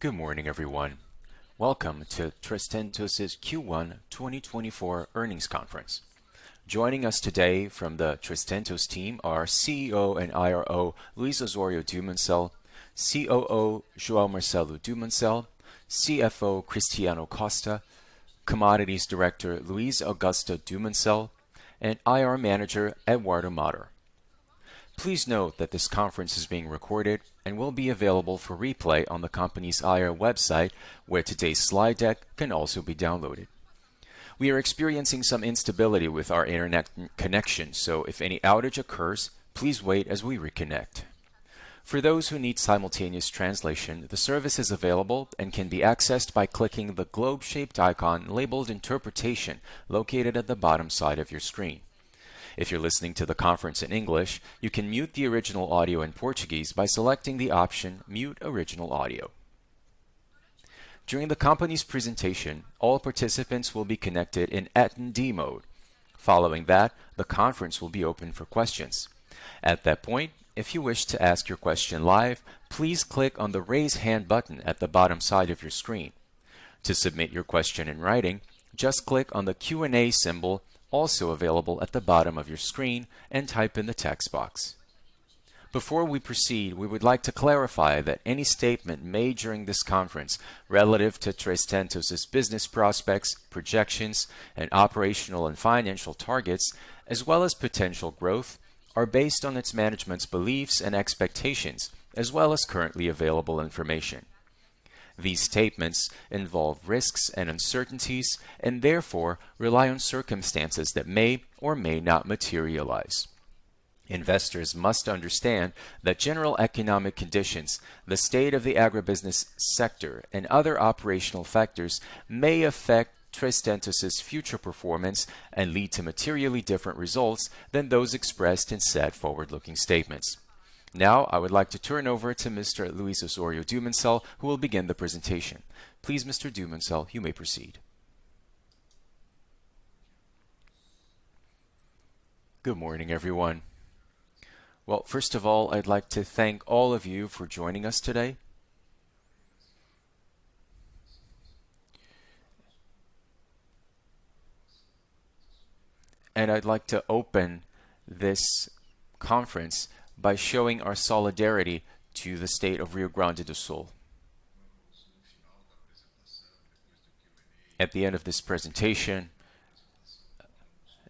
Good morning, everyone. Welcome to 3tentos' Q1 2024 earnings conference. Joining us today from the 3tentos team are CEO and IRO, Luiz Osório Dumoncel, COO, João Marcelo Dumoncel, CFO, Cristiano Costa, Commodities Director, Luiz Augusto Dumoncel, and IR Manager, Eduardo Mattos. Please note that this conference is being recorded and will be available for replay on the company's IR website, where today's slide deck can also be downloaded. We are experiencing some instability with our internet connection, so if any outage occurs, please wait as we reconnect. For those who need simultaneous translation, the service is available and can be accessed by clicking the globe-shaped icon labeled Interpretation, located at the bottom side of your screen. If you're listening to the conference in English, you can mute the original audio in Portuguese by selecting the option Mute Original Audio. During the company's presentation, all participants will be connected in attendee mode. Following that, the conference will be open for questions. At that point, if you wish to ask your question live, please click on the Raise Hand button at the bottom side of your screen. To submit your question in writing, just click on the Q&A symbol, also available at the bottom of your screen, and type in the text box. Before we proceed, we would like to clarify that any statement made during this conference relative to 3tentos's business prospects, projections, and operational and financial targets, as well as potential growth, are based on its management's beliefs and expectations, as well as currently available information. These statements involve risks and uncertainties and therefore rely on circumstances that may or may not materialize. Investors must understand that general economic conditions, the state of the agribusiness sector, and other operational factors may affect 3tentos's future performance and lead to materially different results than those expressed in said forward-looking statements. Now, I would like to turn over to Mr. Luiz Osório Dumoncel, who will begin the presentation. Please, Mr. Dumoncel, you may proceed. Good morning, everyone. Well, first of all, I'd like to thank all of you for joining us today. I'd like to open this conference by showing our solidarity to the state of Rio Grande do Sul. At the end of this presentation,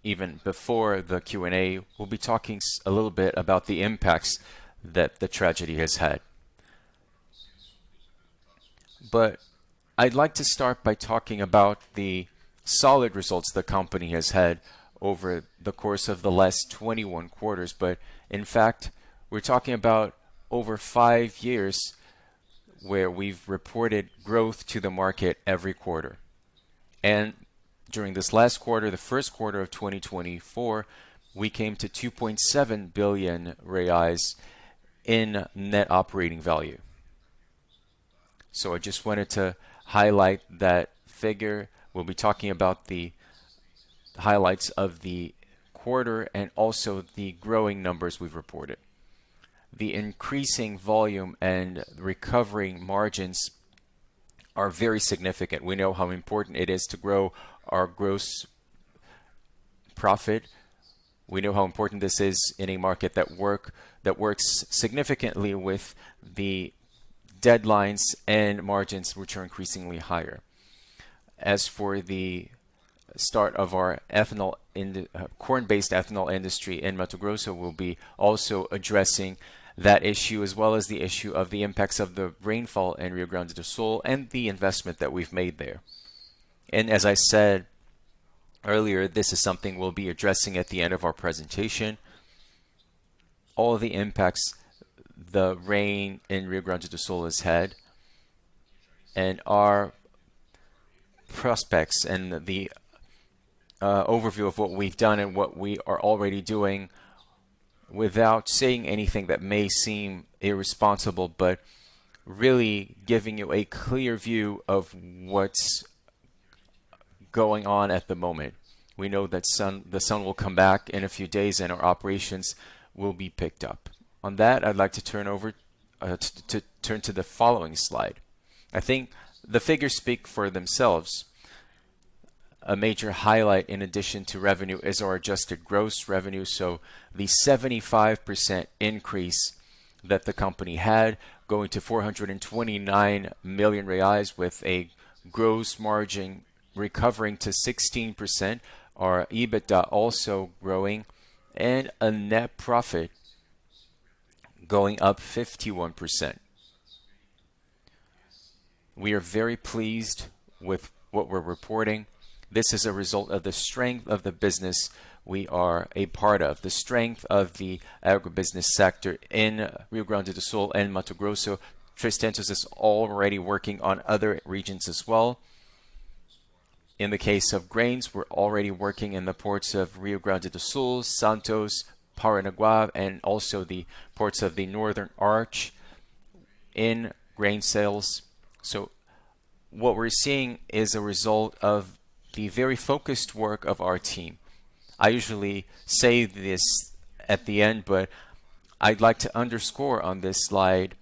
even before the Q&A, we'll be talking a little bit about the impacts that the tragedy has had. I'd like to start by talking about the solid results the company has had over the course of the last 21 quarters. But in fact, we're talking about over five years where we've reported growth to the market every quarter. And during this last quarter, the first quarter of 2024, we came to 2.7 billion reais in net operating value. So I just wanted to highlight that figure. We'll be talking about the highlights of the quarter and also the growing numbers we've reported. The increasing volume and recovering margins are very significant. We know how important it is to grow our gross profit. We know how important this is in a market that work, that works significantly with the deadlines and margins, which are increasingly higher. As for the start of our ethanol in the corn-based ethanol industry in Mato Grosso, we'll be also addressing that issue, as well as the issue of the impacts of the rainfall in Rio Grande do Sul and the investment that we've made there. And as I said earlier, this is something we'll be addressing at the end of our presentation. All the impacts the rain in Rio Grande do Sul has had and our prospects and the overview of what we've done and what we are already doing without saying anything that may seem irresponsible, but really giving you a clear view of what's going on at the moment. We know that the sun will come back in a few days, and our operations will be picked up. On that, I'd like to turn to the following slide. I think the figures speak for themselves. A major highlight, in addition to revenue, is our adjusted gross revenue. So the 75% increase that the company had, going to 429 million reais with a gross margin recovering to 16%, our EBITDA also growing and a net profit going up 51%. We are very pleased with what we're reporting. This is a result of the strength of the business we are a part of, the strength of the agribusiness sector in Rio Grande do Sul and Mato Grosso. 3tentos is already working on other regions as well. In the case of grains, we're already working in the ports of Rio Grande do Sul, Santos, Paranaguá, and also the ports of the Northern Arch in grain sales. What we're seeing is a result of the very focused work of our team. I usually say this at the end, but I'd like to underscore on this slide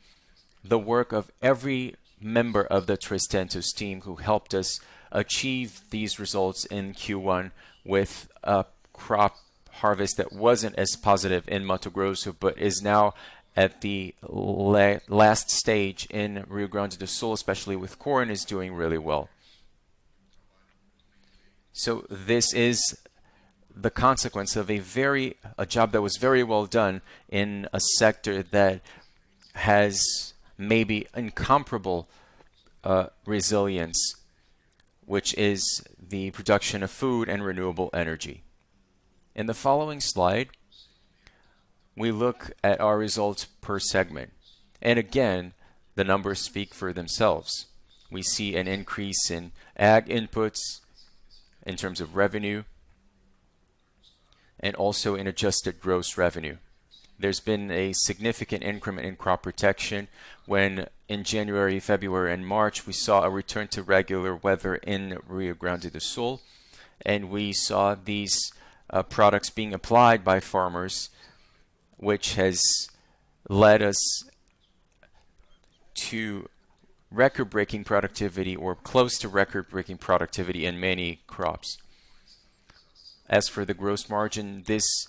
the work of every member of the 3tentos team who helped us achieve these results in Q1 with a crop harvest that wasn't as positive in Mato Grosso, but is now at the last stage in Rio Grande do Sul, especially with corn, is doing really well. So this is the consequence of a very job that was very well done in a sector that has maybe incomparable resilience, which is the production of food and renewable energy. In the following slide, we look at our results per segment, and again, the numbers speak for themselves. We see an increase in Ag inputs in terms of revenue and also in adjusted gross revenue. There's been a significant increment in crop protection, when in January, February, and March, we saw a return to regular weather in Rio Grande do Sul, and we saw these, products being applied by farmers, which has led us to record-breaking productivity or close to record-breaking productivity in many crops. As for the gross margin, this,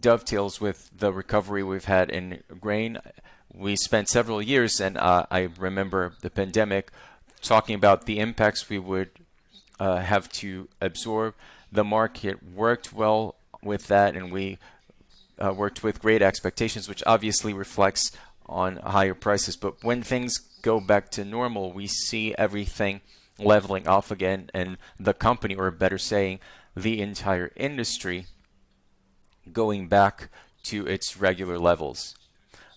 dovetails with the recovery we've had in grain. We spent several years, and, I remember the pandemic, talking about the impacts we would, have to absorb. The market worked well with that, and we, worked with great expectations, which obviously reflects on higher prices. But when things go back to normal, we see everything leveling off again and the company, or better saying, the entire industry, going back to its regular levels.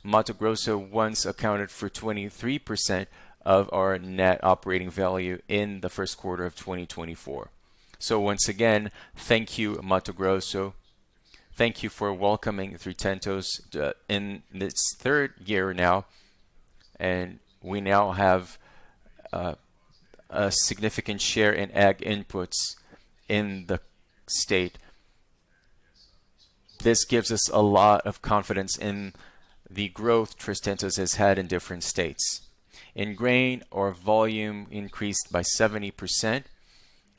Mato Grosso once accounted for 23% of our net operating value in the first quarter of 2024. So once again, thank you, Mato Grosso. Thank you for welcoming 3tentos in this third year now, and we now have a significant share in Ag inputs in the state. This gives us a lot of confidence in the growth 3tentos has had in different states. In grain, our volume increased by 70%.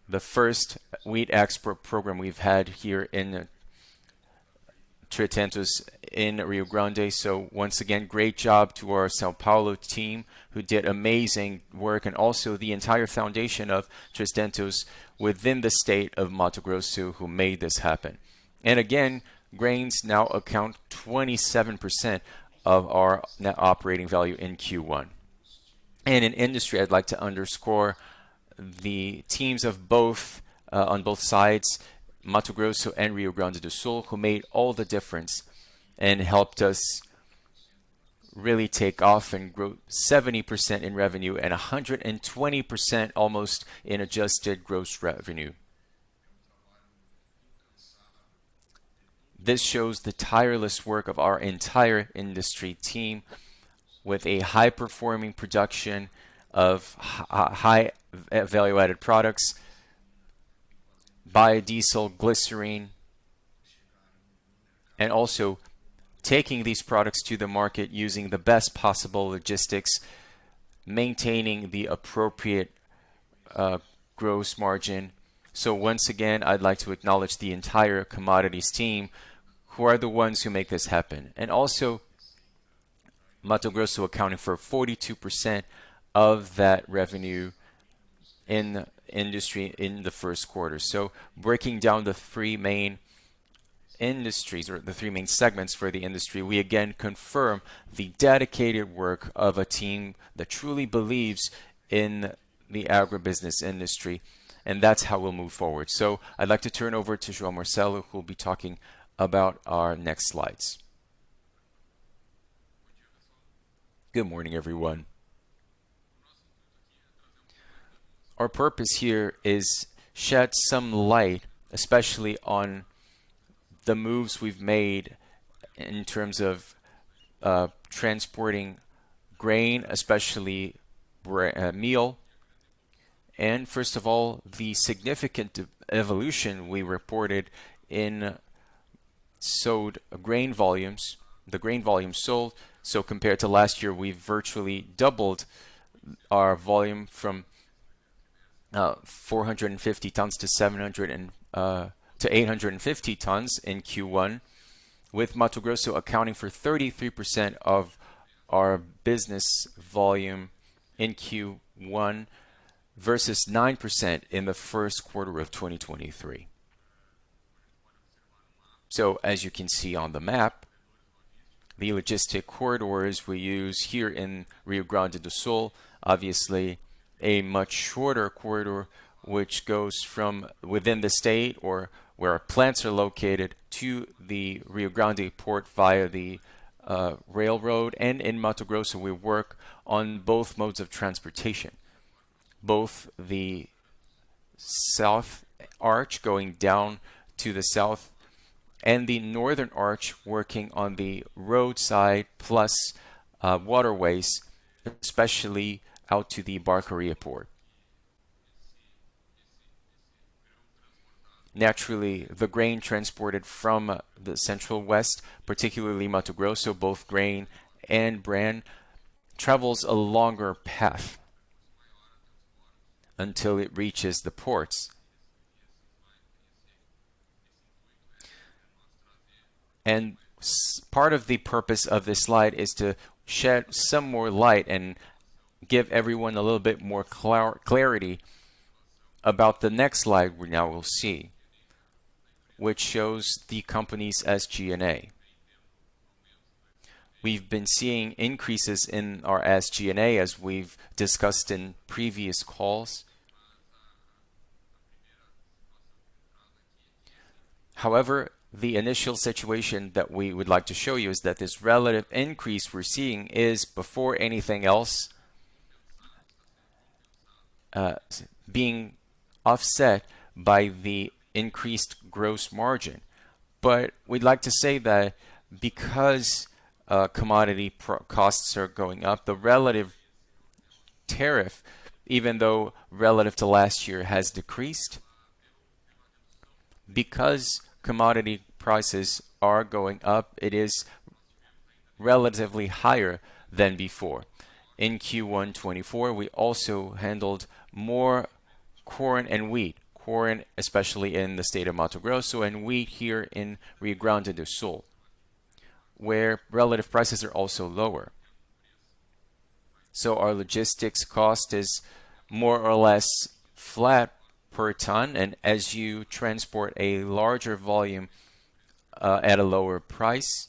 The first wheat export program we've had here in the 3tentos in Rio Grande. So once again, great job to our São Paulo team, who did amazing work, and also the entire foundation of 3tentos within the state of Mato Grosso, who made this happen. And again, grains now account 27% of our net operating value in Q1. In industry, I'd like to underscore the teams of both, on both sides, Mato Grosso and Rio Grande do Sul, who made all the difference and helped us really take off and grow 70% in revenue and almost 120% in adjusted gross revenue. This shows the tireless work of our entire industry team with a high-performing production of high value-added products, biodiesel, glycerine, and also taking these products to the market using the best possible logistics, maintaining the appropriate, gross margin. So once again, I'd like to acknowledge the entire commodities team, who are the ones who make this happen. Also, Mato Grosso accounted for 42% of that revenue in the industry in the first quarter. So breaking down the three main industries or the three main segments for the industry, we again confirm the dedicated work of a team that truly believes in the agribusiness industry, and that's how we'll move forward. So I'd like to turn over to João Marcelo, who will be talking about our next slides. Good morning, everyone. Our purpose here is shed some light, especially on the moves we've made in terms of transporting grain, especially soybean meal, and first of all, the significant evolution we reported in sold grain volumes, the grain volume sold. So compared to last year, we've virtually doubled our volume from 450 tons to 850 tons in Q1, with Mato Grosso accounting for 33% of our business volume in Q1 versus 9% in the first quarter of 2023. So as you can see on the map, the logistics corridors we use here in Rio Grande do Sul, obviously a much shorter corridor, which goes from within the state or where our plants are located to the Rio Grande port via the railroad, and in Mato Grosso, we work on both modes of transportation. Both the South Arch going down to the south and the Northern Arch working on the roadside, plus waterways, especially out to the Barcarena port. Naturally, the grain transported from the Central West, particularly Mato Grosso, both grain and bran, travels a longer path until it reaches the ports. And part of the purpose of this slide is to shed some more light and give everyone a little bit more clarity about the next slide we now will see, which shows the company's SG&A. We've been seeing increases in our SG&A, as we've discussed in previous calls. However, the initial situation that we would like to show you is that this relative increase we're seeing is, before anything else, being offset by the increased gross margin. But we'd like to say that because commodity costs are going up, the relative tariff, even though relative to last year, has decreased. Because commodity prices are going up, it is relatively higher than before. In Q1 2024, we also handled more corn and wheat, corn, especially in the state of Mato Grosso, and wheat here in Rio Grande do Sul, where relative prices are also lower. So our logistics cost is more or less flat per ton, and as you transport a larger volume at a lower price,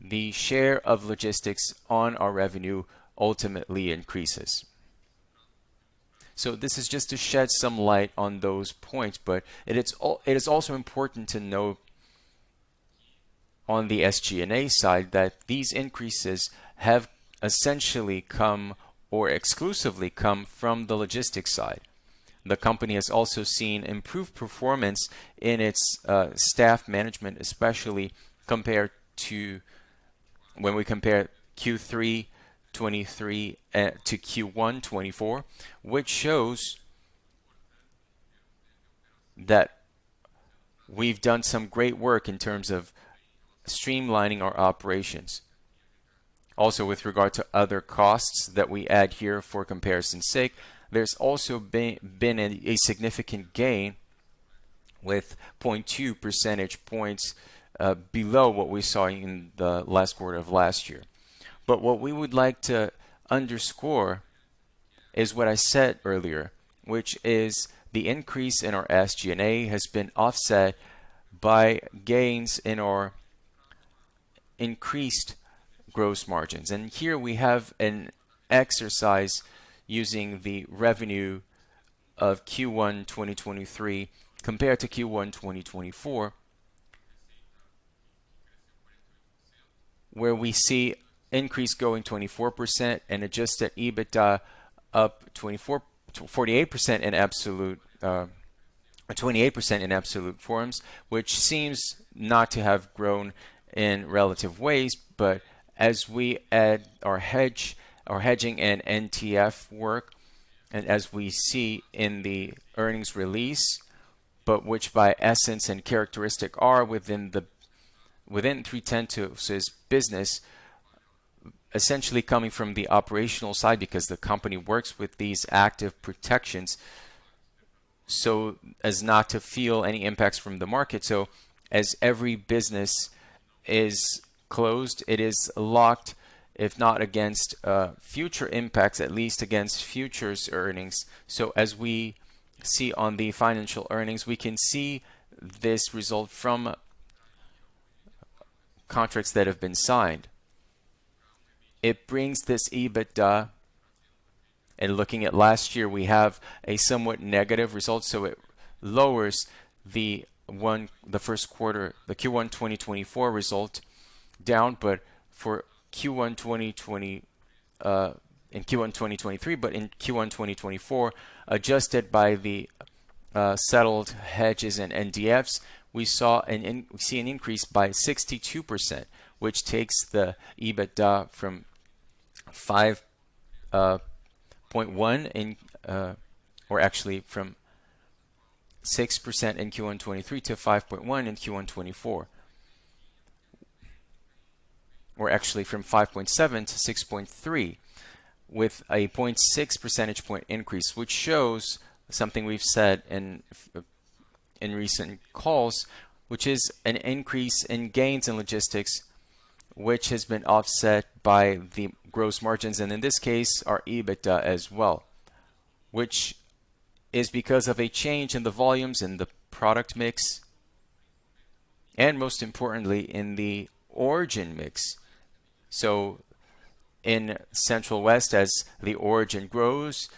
the share of logistics on our revenue ultimately increases. So this is just to shed some light on those points, but it is also important to note on the SG&A side that these increases have essentially come or exclusively come from the logistics side. The company has also seen improved performance in its staff management, especially compared to when we compare Q3 2023 to Q1 2024, which shows that we've done some great work in terms of streamlining our operations. Also, with regard to other costs that we add here for comparison's sake, there's also been a significant gain with 0.2 percentage points below what we saw in the last quarter of last year. But what we would like to underscore is what I said earlier, which is the increase in our SG&A has been offset by gains in our increased gross margins. And here we have an exercise using the revenue of Q1 2023 compared to Q1 2024, where we see increase going 24% and adjusted EBITDA up 24, 48% in absolute, 28% in absolute forms, which seems not to have grown in relative ways. But as we add our hedge, our hedging and NDF work, and as we see in the earnings release, but which by essence and characteristic are within the, within 3tentos's business, essentially coming from the operational side, because the company works with these active protections, so as not to feel any impacts from the market. So as every business is closed, it is locked, if not against, future impacts, at least against futures earnings. So as we see on the financial earnings, we can see this result from contracts that have been signed. It brings this EBITDA, and looking at last year, we have a somewhat negative result, so it lowers the one, the first quarter, the Q1 2024 result down, but for Q1 2020, in Q1 2023, but in Q1 2024, adjusted by the settled hedges and NDFs, we see an increase by 62%, which takes the EBITDA from 5.1, or actually from 6% in Q1 2023 to 5.1 in Q1 2024. Or actually from 5.7 to 6.3, with a 0.6 percentage point increase, which shows something we've said in recent calls, which is an increase in gains in logistics, which has been offset by the gross margins, and in this case, our EBITDA as well, which is because of a change in the volumes and the product mix, and most importantly, in the origin mix. So in Central West, as the origin grows,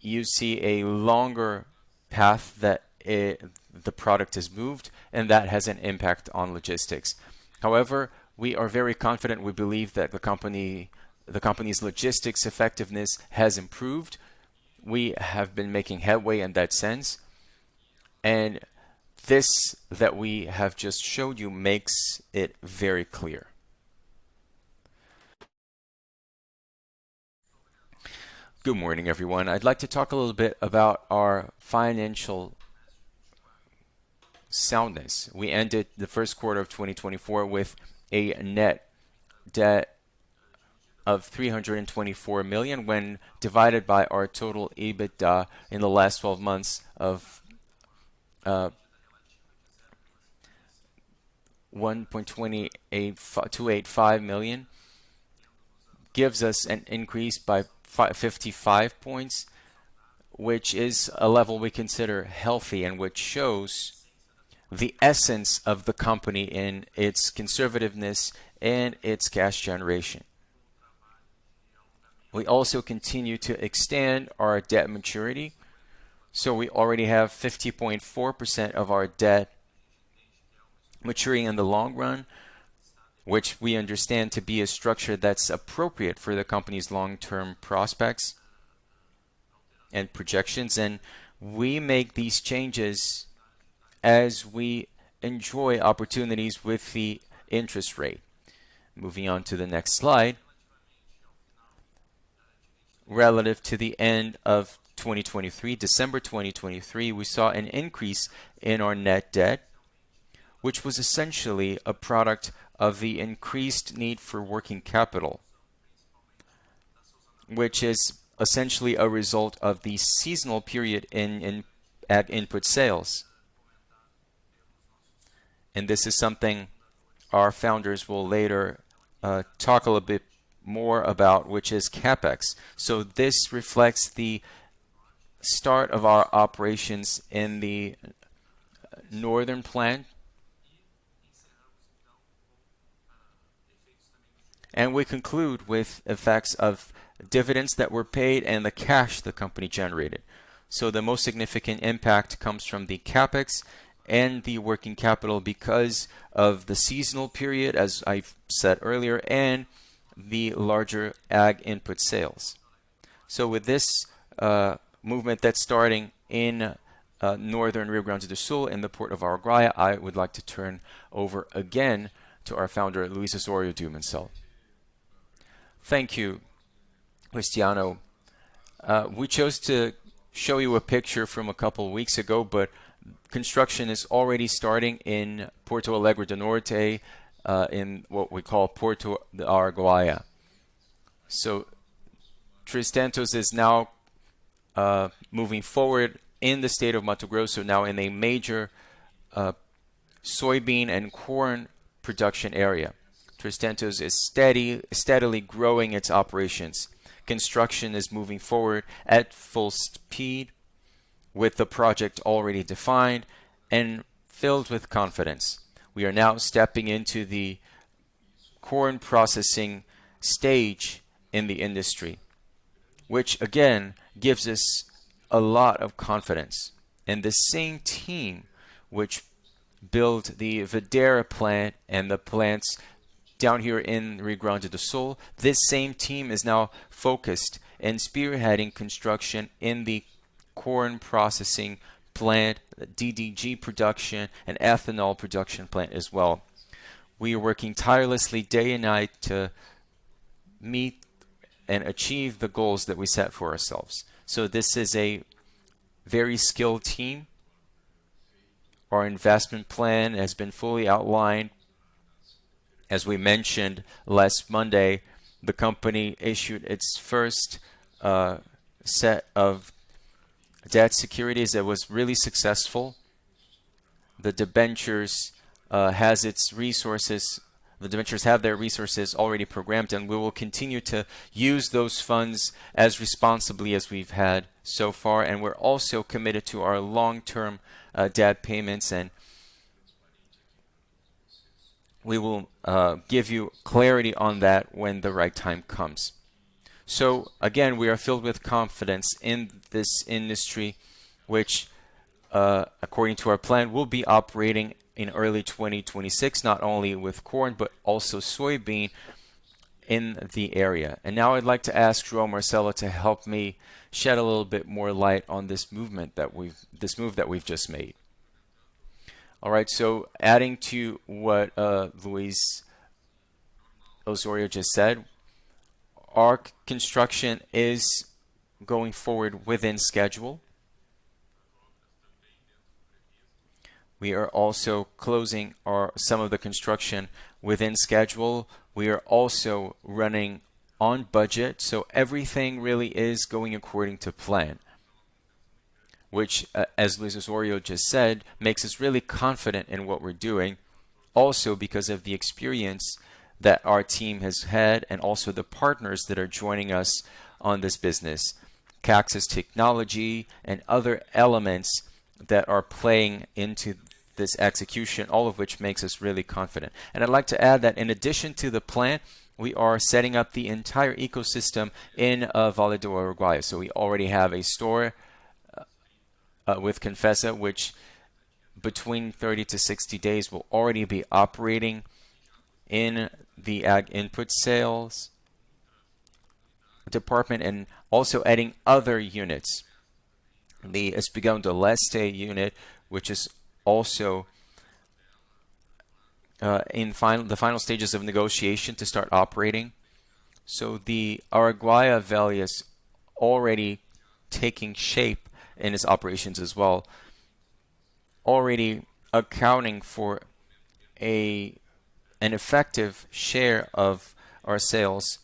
you see a longer path that the product has moved, and that has an impact on logistics. However, we are very confident. We believe that the company, the company's logistics effectiveness has improved. We have been making headway in that sense, and this that we have just showed you makes it very clear. Good morning, everyone. I'd like to talk a little bit about our financial soundness. We ended the first quarter of 2024 with a net debt of 324 million, when divided by our total EBITDA in the last twelve months of 128.5 million, gives us an increase by 55 points, which is a level we consider healthy and which shows the essence of the company in its conservativeness and its cash generation. We also continue to extend our debt maturity, so we already have 50.4% of our debt maturing in the long run, which we understand to be a structure that's appropriate for the company's long-term prospects and projections, and we make these changes as we enjoy opportunities with the interest rate. Moving on to the next slide. Relative to the end of 2023, December 2023, we saw an increase in our net debt, which was essentially a product of the increased need for working capital, which is essentially a result of the seasonal period in ag input sales. And this is something our founders will later talk a little bit more about, which is CapEx. So this reflects the start of our operations in the northern plant. And we conclude with effects of dividends that were paid and the cash the company generated. So the most significant impact comes from the CapEx and the working capital because of the seasonal period, as I've said earlier, and the larger ag input sales. So with this movement that's starting in northern Rio Grande do Sul, in Porto Araguaia, I would like to turn over again to our founder, Luiz Osório Dumoncel. Thank you, Cristiano. We chose to show you a picture from a couple of weeks ago, but construction is already starting in Porto Alegre do Norte, in what we call Porto Araguaia. So 3tentos is now moving forward in the state of Mato Grosso, now in a major soybean and corn production area. 3tentos is steadily growing its operations. Construction is moving forward at full speed with the project already defined and filled with confidence. We are now stepping into the corn processing stage in the industry, which again gives us a lot of confidence. The same team which built the Vera plant and the plants down here in Rio Grande do Sul, this same team is now focused and spearheading construction in the corn processing plant, DDG production, and ethanol production plant as well. We are working tirelessly day and night to meet and achieve the goals that we set for ourselves. This is a very skilled team. Our investment plan has been fully outlined. As we mentioned, last Monday, the company issued its first set of debt securities that was really successful. The debentures has its resources—the debentures have their resources already programmed, and we will continue to use those funds as responsibly as we've had so far, and we're also committed to our long-term debt payments, and we will give you clarity on that when the right time comes. So again, we are filled with confidence in this industry, which, according to our plan, will be operating in early 2026, not only with corn, but also soybean in the area. And now I'd like to ask João Marcelo to help me shed a little bit more light on this movement that we've, this move that we've just made. All right, so adding to what, Luiz Osório just said, our construction is going forward within schedule. We are also closing some of the construction within schedule. We are also running on budget, so everything really is going according to plan, which, as Luiz Osório just said, makes us really confident in what we're doing. Also, because of the experience that our team has had and also the partners that are joining us on this business, Katzen International and other elements that are playing into this execution, all of which makes us really confident. I'd like to add that in addition to the plant, we are setting up the entire ecosystem in Vale do Araguaia. We already have a store with Confresa, which between 30-60 days will already be operating in the ag input sales department and also adding other units. The Espigão do Leste unit, which is also in the final stages of negotiation to start operating. The Araguaia Valley is already taking shape in its operations as well, already accounting for an effective share of our sales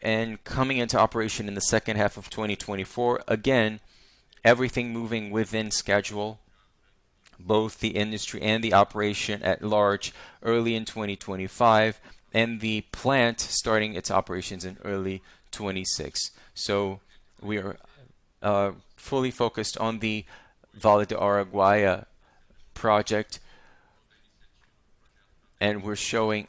and coming into operation in the second half of 2024. Again, everything moving within schedule, both the industry and the operation at large, early in 2025, and the plant starting its operations in early 2026. So we are fully focused on the Vale do Araguaia project, and we're showing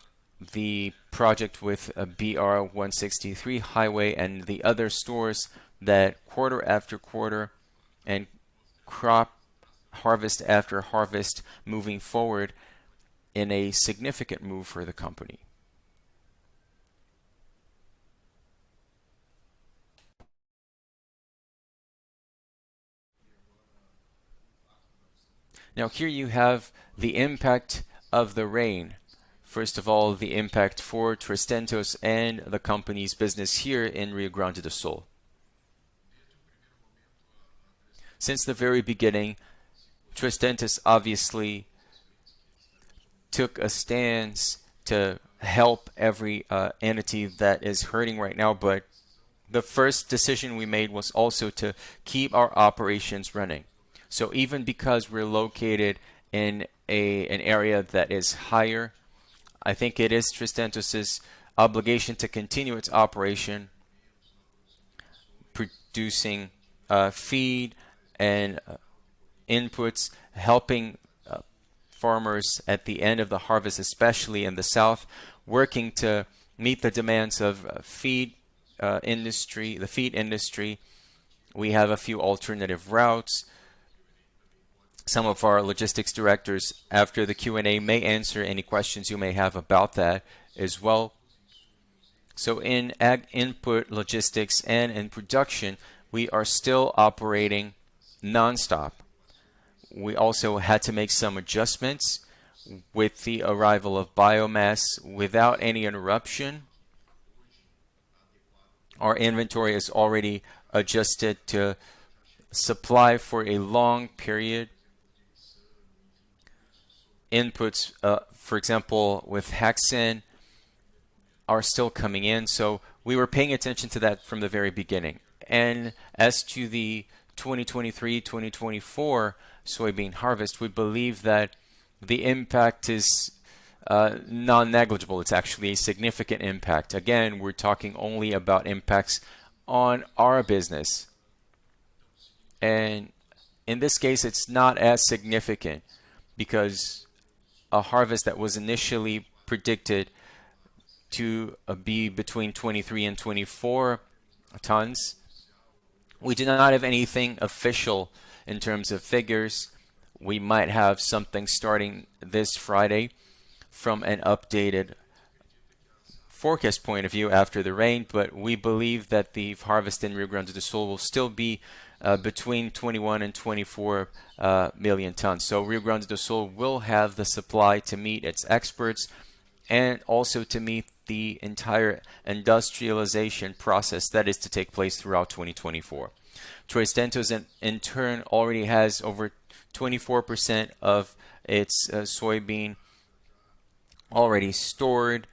the project with a BR-163 highway and the other stores that quarter after quarter and crop, harvest after harvest, moving forward in a significant move for the company. Now, here you have the impact of the rain. First of all, the impact for 3tentos and the company's business here in Rio Grande do Sul. Since the very beginning, 3tentos obviously took a stance to help every entity that is hurting right now, but the first decision we made was also to keep our operations running. So even because we're located in an area that is higher, I think it is 3tentos' obligation to continue its operation, producing feed and inputs, helping farmers at the end of the harvest, especially in the south, working to meet the demands of the feed industry. We have a few alternative routes. Some of our logistics directors, after the Q&A, may answer any questions you may have about that as well. So in ag input, logistics, and in production, we are still operating nonstop. We also had to make some adjustments with the arrival of biomass without any interruption. Our inventory is already adjusted to supply for a long period. Inputs, for example, with hexane are still coming in, so we were paying attention to that from the very beginning. As to the 2023/2024 soybean harvest, we believe that the impact is non-negligible. It's actually a significant impact. Again, we're talking only about impacts on our business, and in this case, it's not as significant because a harvest that was initially predicted to be between 23 and 24 tons, we do not have anything official in terms of figures. We might have something starting this Friday from an updated forecast point of view after the rain, but we believe that the harvest in Rio Grande do Sul will still be between 21 and 24 million tons. So Rio Grande do Sul will have the supply to meet its exports and also to meet the entire industrialization process that is to take place throughout 2024. 3tentos, in turn, already has over 24% of its soybean already stored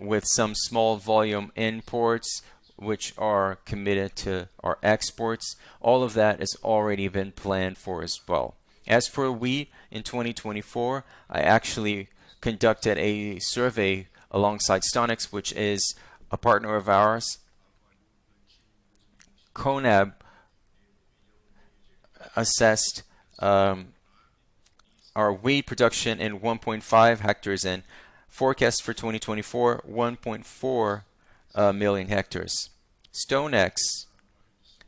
with some small volume imports, which are committed to our exports. All of that has already been planned for as well. As for wheat in 2024, I actually conducted a survey alongside StoneX, which is a partner of ours. CONAB assessed our wheat production in 1.5 hectares and forecast for 2024, 1.4 million hectares. StoneX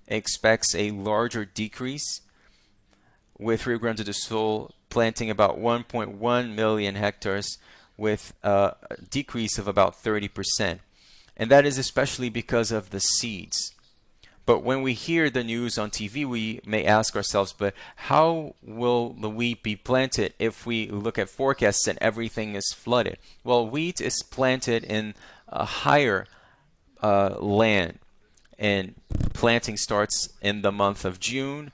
expects a larger decrease, with Rio Grande do Sul planting about 1.1 million hectares, with a decrease of about 30%. And that is especially because of the seeds. But when we hear the news on TV, we may ask ourselves, "But how will the wheat be planted if we look at forecasts and everything is flooded?" Well, wheat is planted in a higher land, and planting starts in the month of June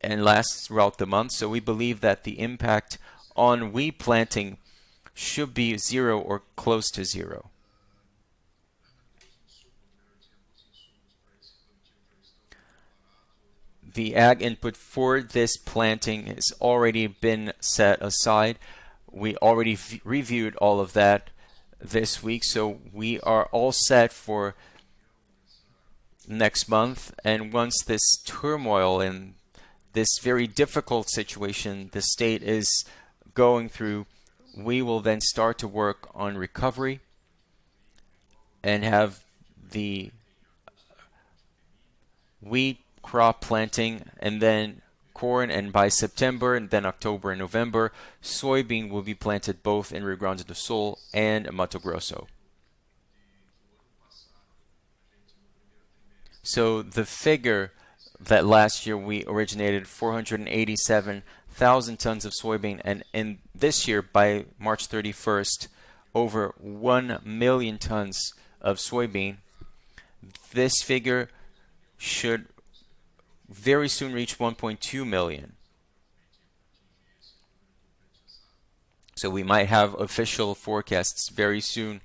and lasts throughout the month. So we believe that the impact on wheat planting should be zero or close to zero. The ag input for this planting has already been set aside. We already reviewed all of that this week, so we are all set for next month, and once this turmoil and this very difficult situation the state is going through, we will then start to work on recovery and have the wheat crop planting, and then corn, and by September, and then October and November, soybean will be planted both in Rio Grande do Sul and Mato Grosso. So the figure that last year we originated 487,000 tons of soybean, and this year, by March 31, over 1,000,000 tons of soybean. This figure should very soon reach 1,200,000. So we might have official forecasts very soon,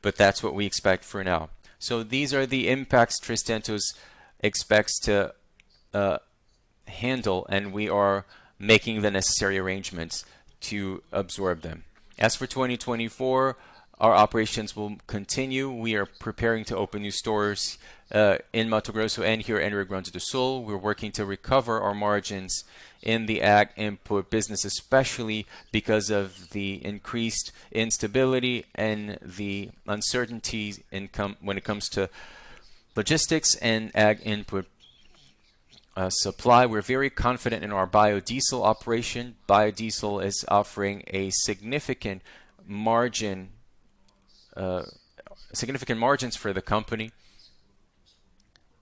but that's what we expect for now. So these are the impacts 3tentos expects to handle, and we are making the necessary arrangements to absorb them. As for 2024, our operations will continue. We are preparing to open new stores in Mato Grosso and here in Rio Grande do Sul. We're working to recover our margins in the ag input business, especially because of the increased instability and the uncertainty in commodities when it comes to logistics and ag input supply. We're very confident in our biodiesel operation. Biodiesel is offering a significant margin, significant margins for the company.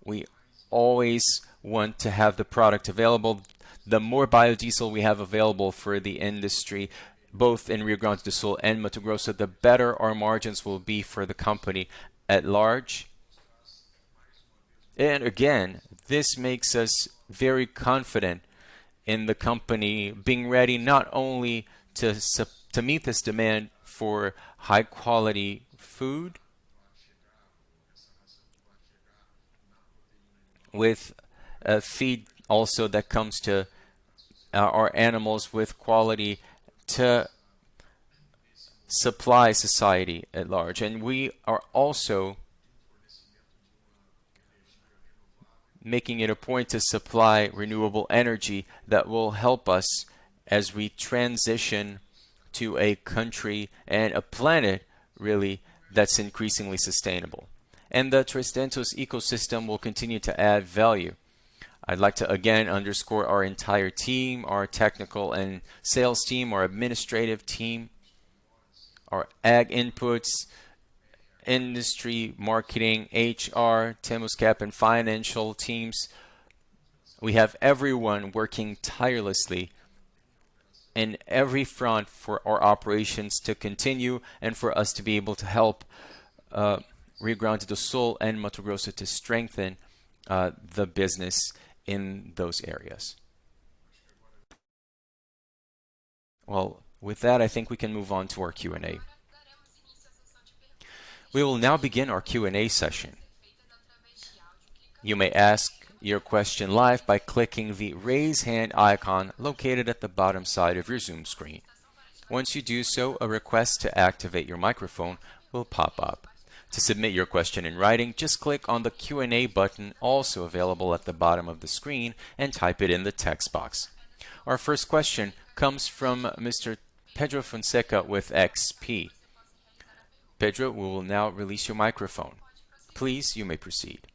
We always want to have the product available. The more biodiesel we have available for the industry, both in Rio Grande do Sul and Mato Grosso, the better our margins will be for the company at large. And again, this makes us very confident in the company being ready not only to meet this demand for high-quality food, with feed also that comes to our animals with quality to supply society at large. And we are also making it a point to supply renewable energy that will help us as we transition to a country and a planet, really, that's increasingly sustainable. And the 3tentos ecosystem will continue to add value. I'd like to, again, underscore our entire team, our technical and sales team, our administrative team, our ag inputs, industry, marketing, HR, TentosCap, and financial teams. We have everyone working tirelessly in every front for our operations to continue and for us to be able to help Rio Grande do Sul and Mato Grosso to strengthen the business in those areas. Well, with that, I think we can move on to our Q&A. We will now begin our Q&A session. You may ask your question live by clicking the Raise Hand icon located at the bottom side of your Zoom screen. Once you do so, a request to activate your microphone will pop up. To submit your question in writing, just click on the Q&A button, also available at the bottom of the screen, and type it in the text box. Our first question comes from Mr. Pedro Fonseca with XP. Pedro, we will now release your microphone. Please, you may proceed.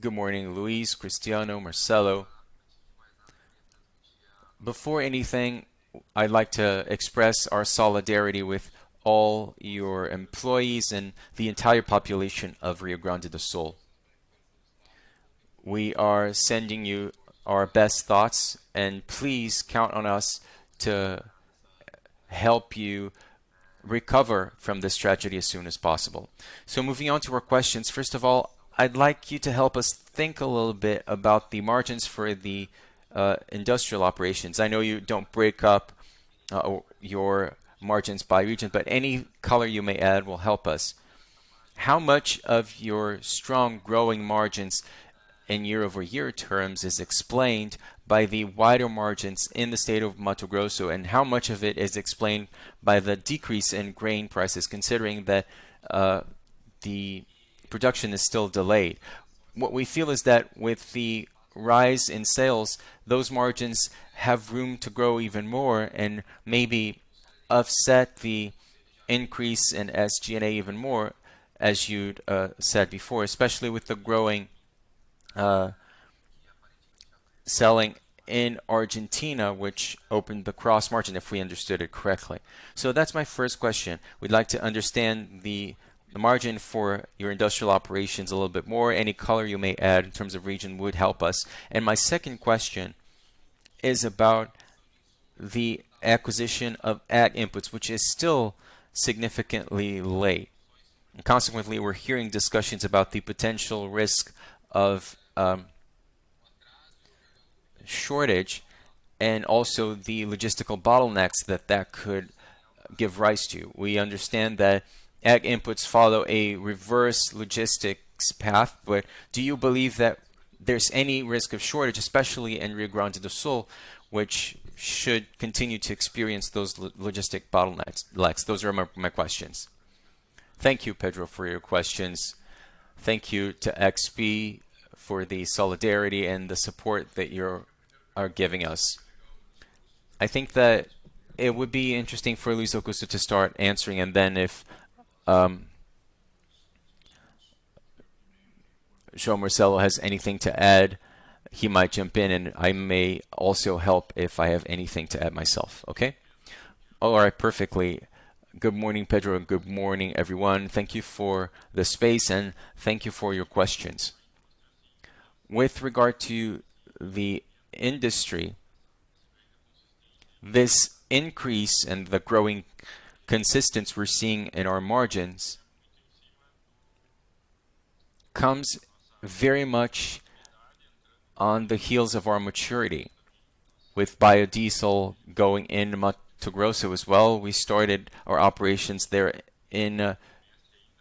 Good morning, Luiz, Cristiano, Marcelo. Before anything, I'd like to express our solidarity with all your employees and the entire population of Rio Grande do Sul. We are sending you our best thoughts, and please count on us to help you recover from this tragedy as soon as possible. So moving on to our questions. First of all, I'd like you to help us think a little bit about the margins for the industrial operations. I know you don't break up your margins by region, but any color you may add will help us. How much of your strong growing margins in year-over-year terms is explained by the wider margins in the state of Mato Grosso, and how much of it is explained by the decrease in grain prices, considering that, the production is still delayed? What we feel is that with the rise in sales, those margins have room to grow even more and maybe offset the increase in SG&A even more, as you'd, said before, especially with the growing, selling in Argentina, which opened the cross margin, if we understood it correctly. So that's my first question. We'd like to understand the, the margin for your industrial operations a little bit more. Any color you may add in terms of region would help us. And my second question is about the acquisition of ag inputs, which is still significantly late. Consequently, we're hearing discussions about the potential risk of shortage and also the logistical bottlenecks that that could give rise to. We understand that ag inputs follow a reverse logistics path, but do you believe that there's any risk of shortage, especially in Rio Grande do Sul, which should continue to experience those logistic bottlenecks, lacks. Those are my questions. Thank you, Pedro, for your questions. Thank you to XP for the solidarity and the support that you are giving us. I think that it would be interesting for Luiz Augusto to start answering, and then if João Marcelo has anything to add, he might jump in, and I may also help if I have anything to add myself. Okay? All right, perfectly. Good morning, Pedro, and good morning, everyone. Thank you for the space, and thank you for your questions. With regard to the industry, this increase and the growing consistency we're seeing in our margins comes very much on the heels of our maturity, with biodiesel going into Mato Grosso as well. We started our operations there in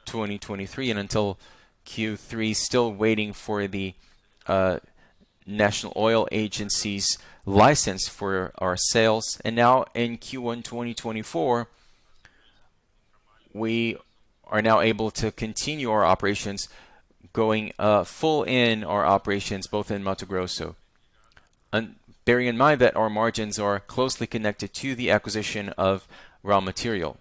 2023, and until Q3, still waiting for the National Oil Agency's license for our sales. Now in Q1 2024, we are now able to continue our operations, going full in our operations, both in Mato Grosso. Bearing in mind that our margins are closely connected to the acquisition of raw material.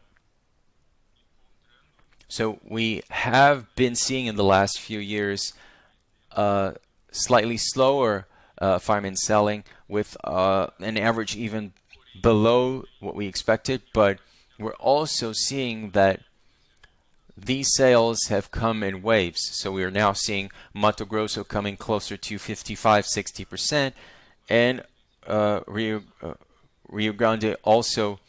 So we have been seeing in the last few years, slightly slower farmers selling with an average even below what we expected, but we're also seeing that these sales have come in waves. So we are now seeing Mato Grosso coming closer to 55-60% and Rio Grande do Sul also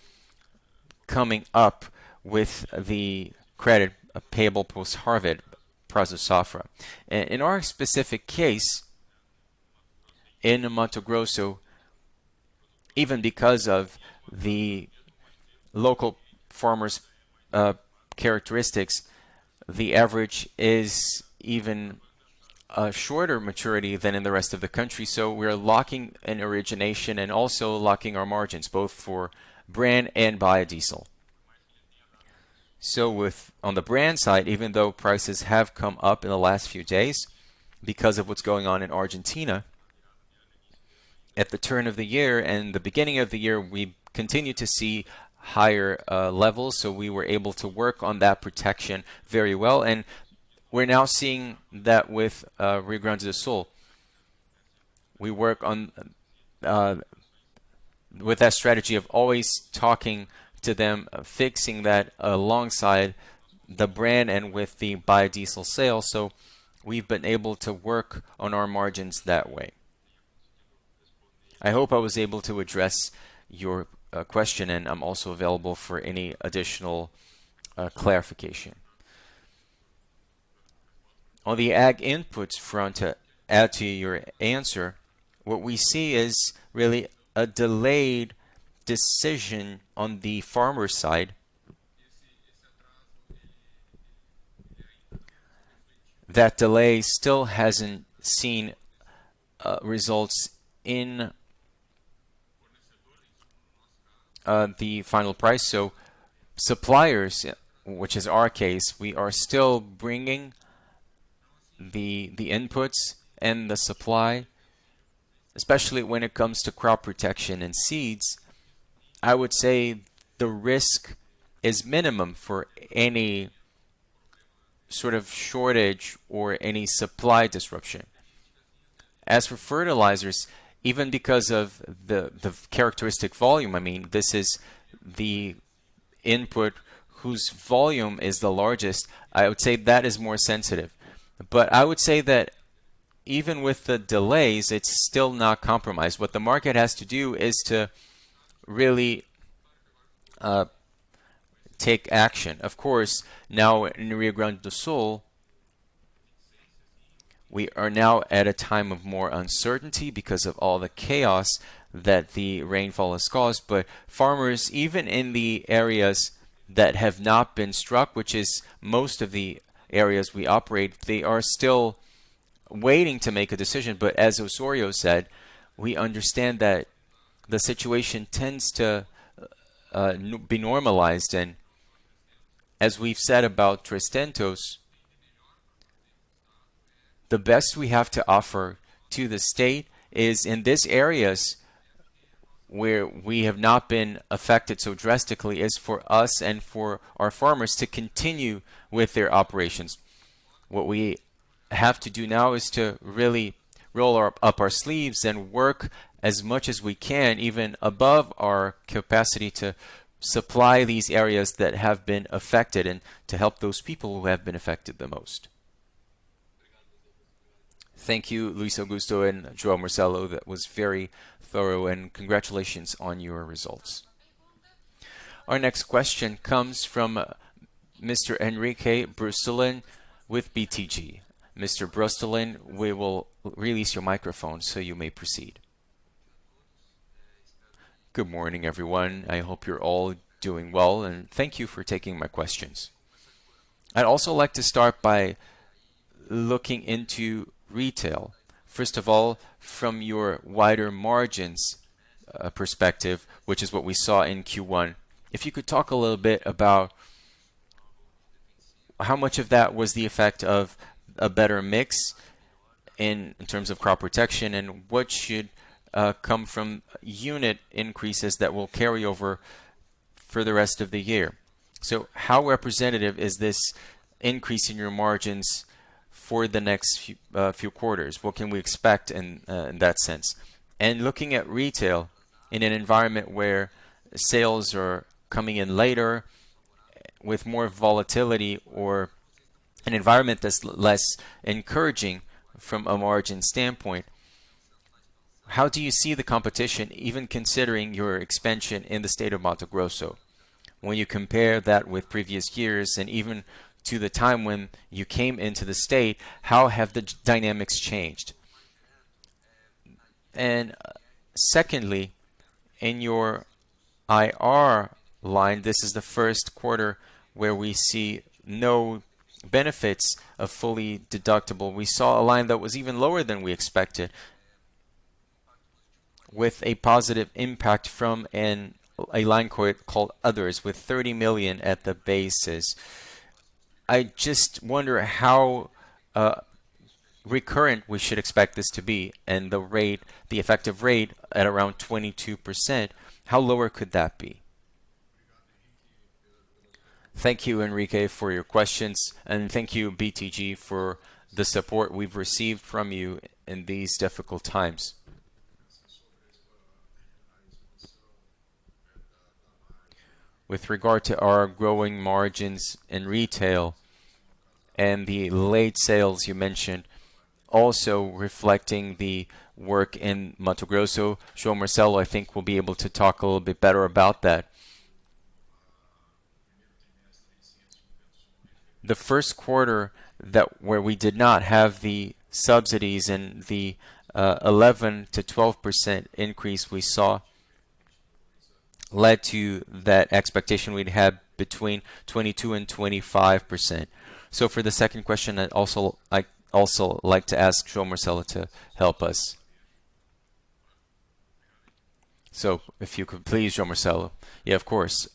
coming up with the credit payable post-harvest price of soybean. In our specific case, in Mato Grosso, even because of the local farmers' characteristics, the average is even a shorter maturity than in the rest of the country. So we're locking in origination and also locking our margins, both for bran and biodiesel. On the bran side, even though prices have come up in the last few days because of what's going on in Argentina, at the turn of the year and the beginning of the year, we continued to see higher levels, so we were able to work on that protection very well, and we're now seeing that with Rio Grande do Sul. We work on with that strategy of always talking to them, fixing that alongside the bran and with the biodiesel sale, so we've been able to work on our margins that way. I hope I was able to address your question, and I'm also available for any additional clarification. On the ag inputs front, add to your answer, what we see is really a delayed decision on the farmer side. That delay still hasn't seen results in the final price, so suppliers, which is our case, we are still bringing the inputs and the supply, especially when it comes to crop protection and seeds. I would say the risk is minimum for any sort of shortage or any supply disruption. As for fertilizers, even because of the characteristic volume, I mean, this is the input whose volume is the largest, I would say that is more sensitive. But I would say that even with the delays, it's still not compromised. What the market has to do is to really take action. Of course, now in Rio Grande do Sul, we are now at a time of more uncertainty because of all the chaos that the rainfall has caused, but farmers, even in the areas that have not been struck, which is most of the areas we operate, they are still waiting to make a decision. But as Osório said, we understand that the situation tends to be normalized, and as we've said about 3tentos, the best we have to offer to the state is in these areas where we have not been affected so drastically, is for us and for our farmers to continue with their operations. What we have to do now is to really roll up our sleeves and work as much as we can, even above our capacity to supply these areas that have been affected and to help those people who have been affected the most. Thank you, Luiz Augusto and João Marcelo. That was very thorough, and congratulations on your results. Our next question comes from Mr. Enrique Brustolin with BTG. Mr. Brustolin, we will release your microphone so you may proceed. Good morning, everyone. I hope you're all doing well, and thank you for taking my questions. I'd also like to start by looking into retail. First of all, from your wider margins perspective, which is what we saw in Q1. If you could talk a little bit about how much of that was the effect of a better mix in terms of crop protection, and what should come from unit increases that will carry over for the rest of the year? So how representative is this increase in your margins for the next few quarters? What can we expect in that sense? And looking at retail in an environment where sales are coming in later with more volatility or an environment that's less encouraging from a margin standpoint, how do you see the competition, even considering your expansion in the state of Mato Grosso? When you compare that with previous years and even to the time when you came into the state, how have the dynamics changed? And secondly, in your IR line, this is the first quarter where we see no benefits of fully deductible. We saw a line that was even lower than we expected, with a positive impact from a line called Others, with 30 million at the basis. I just wonder how recurrent we should expect this to be, and the rate, the effective rate at around 22%, how lower could that be? Thank you, Enrique, for your questions, and thank you, BTG, for the support we've received from you in these difficult times. With regard to our growing margins in retail and the late sales you mentioned, also reflecting the work in Mato Grosso, João Marcelo, I think, will be able to talk a little bit better about that. The first quarter where we did not have the subsidies and the 11%-12% increase we saw led to that expectation we'd have between 22% and 25%. So for the second question, I also like to ask João Marcelo to help us. So if you could please, João Marcelo. Yeah, of course.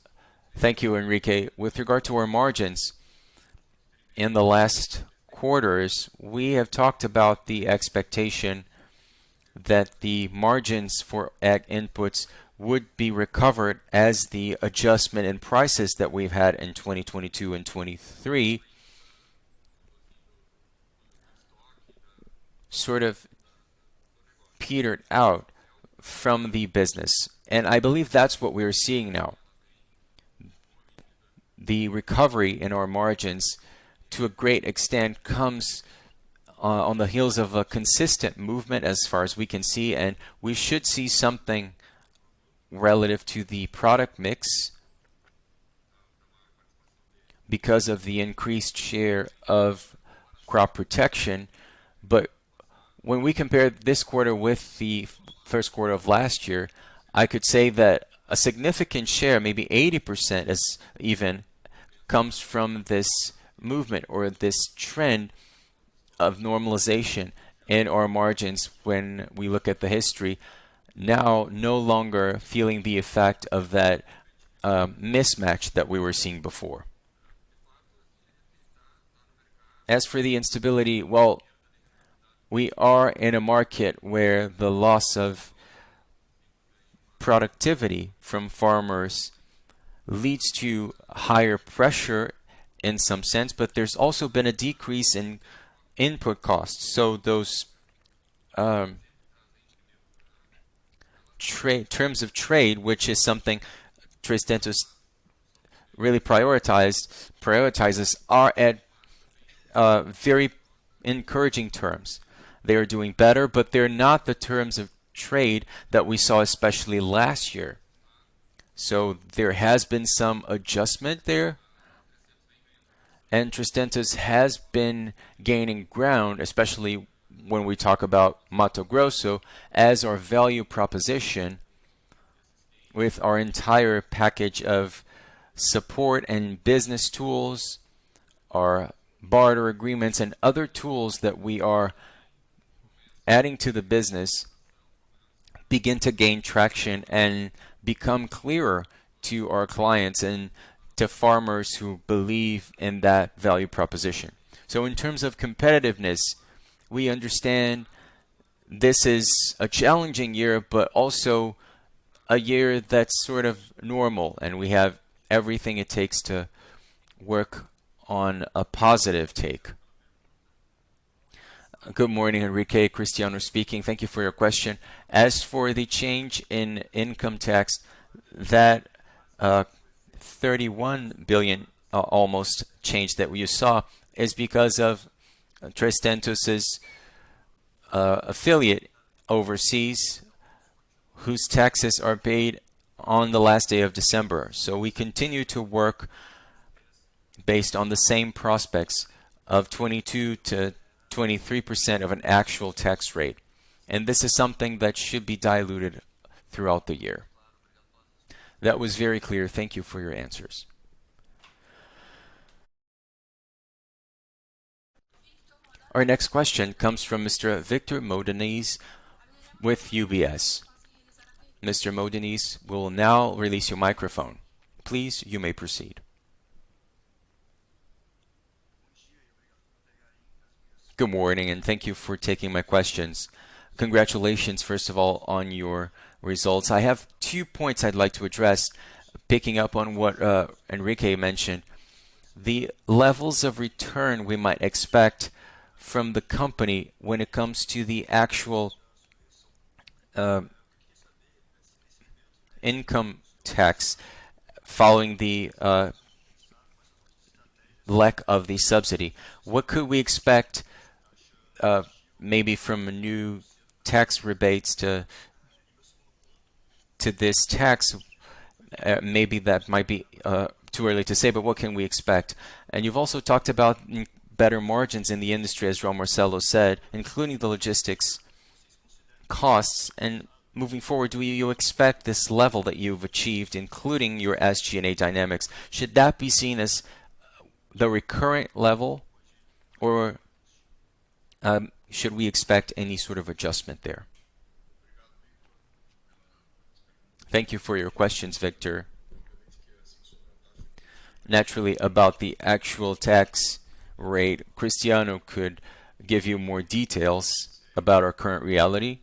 Thank you, Enrique. With regard to our margins, in the last quarters, we have talked about the expectation that the margins for ag inputs would be recovered as the adjustment in prices that we've had in 2022 and 2023, sort of petered out from the business, and I believe that's what we are seeing now. The recovery in our margins, to a great extent, comes on the heels of a consistent movement as far as we can see, and we should see something relative to the product mix because of the increased share of crop protection. But when we compare this quarter with the first quarter of last year, I could say that a significant share, maybe 80% as even, comes from this movement or this trend of normalization in our margins when we look at the history, now no longer feeling the effect of that mismatch that we were seeing before. As for the instability, well, we are in a market where the loss of productivity from farmers leads to higher pressure in some sense, but there's also been a decrease in input costs. So those terms of trade, which is something 3tentos really prioritizes, are at very encouraging terms. They are doing better, but they're not the terms of trade that we saw, especially last year. So there has been some adjustment there, and 3tentos has been gaining ground, especially when we talk about Mato Grosso, as our value proposition with our entire package of support and business tools, our barter agreements, and other tools that we are adding to the business, begin to gain traction and become clearer to our clients and to farmers who believe in that value proposition. So in terms of competitiveness, we understand this is a challenging year, but also a year that's sort of normal, and we have everything it takes to work on a positive take. Good morning, Enrique. Cristiano speaking. Thank you for your question. As for the change in income tax, that 31 billion almost change that we saw is because of 3tentos' affiliate overseas, whose taxes are paid on the last day of December. So we continue to work based on the same prospects of 22%-23% of an actual tax rate, and this is something that should be diluted throughout the year. That was very clear. Thank you for your answers. Our next question comes from Mr. Victor Modenese with UBS. Mr. Modenese, we'll now release your microphone. Please, you may proceed. Good morning, and thank you for taking my questions. Congratulations, first of all, on your results. I have 2 points I'd like to address, picking up on what, Enrique mentioned. The levels of return we might expect from the company when it comes to the actual, income tax following the, lack of the subsidy. What could we expect, maybe from a new tax rebates to, to this tax? Maybe that might be, too early to say, but what can we expect? You've also talked about better margins in the industry, as João Marcelo said, including the logistics costs and moving forward, do you expect this level that you've achieved, including your SG&A dynamics, should that be seen as the recurrent level, or, should we expect any sort of adjustment there? Thank you for your questions, Victor. Naturally, about the actual tax rate, Cristiano could give you more details about our current reality,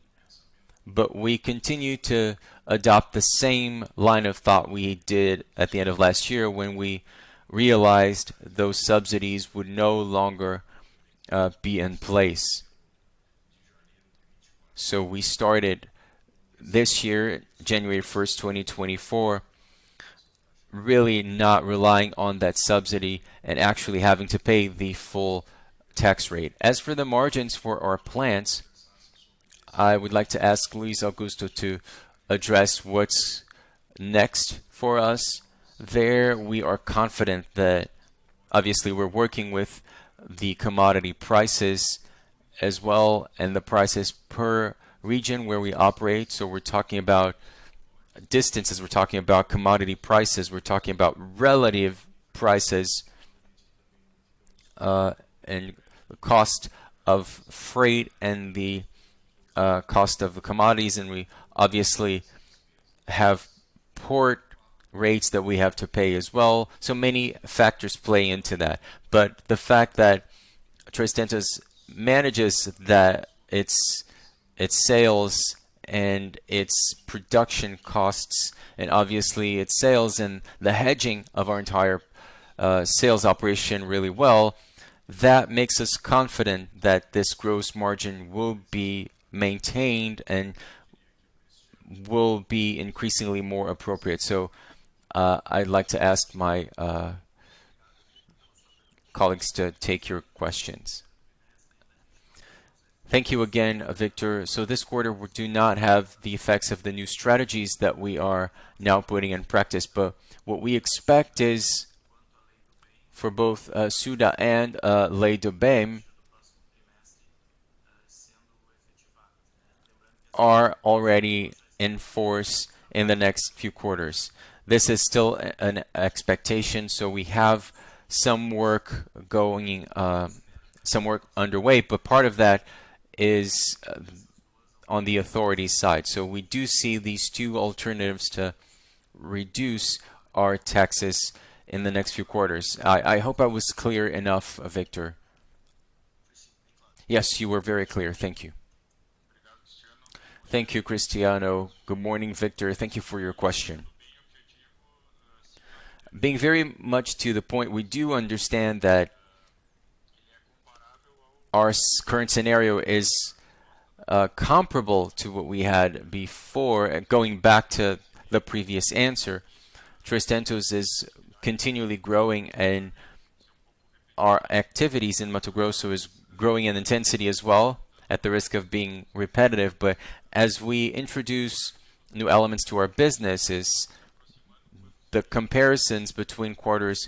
but we continue to adopt the same line of thought we did at the end of last year when we realized those subsidies would no longer be in place. So we started this year, January first, 2024, really not relying on that subsidy and actually having to pay the full tax rate. As for the margins for our plants, I would like to ask Luiz Augusto to address what's next for us. There, we are confident that obviously, we're working with the commodity prices as well and the prices per region where we operate. So we're talking about distances, we're talking about commodity prices, we're talking about relative prices, and the cost of freight and the cost of the commodities, and we obviously have port rates that we have to pay as well. So many factors play into that. But the fact that Três Tentos manages that its, its sales and its production costs, and obviously its sales and the hedging of our entire sales operation really well, that makes us confident that this gross margin will be maintained and will be increasingly more appropriate. So, I'd like to ask my colleagues to take your questions. Thank you again, Victor. So this quarter, we do not have the effects of the new strategies that we are now putting in practice, but what we expect is for both SUDAM and Lei do Bem to already be in force in the next few quarters. This is still an expectation, so we have some work going, some work underway, but part of that is on the authority side. So we do see these two alternatives to reduce our taxes in the next few quarters. I hope I was clear enough, Victor. Yes, you were very clear. Thank you. Thank you, Cristiano. Good morning, Victor. Thank you for your question. Being very much to the point, we do understand that our current scenario is comparable to what we had before. Going back to the previous answer, 3tentos is continually growing, and our activities in Mato Grosso is growing in intensity as well, at the risk of being repetitive. But as we introduce new elements to our businesses, the comparisons between quarters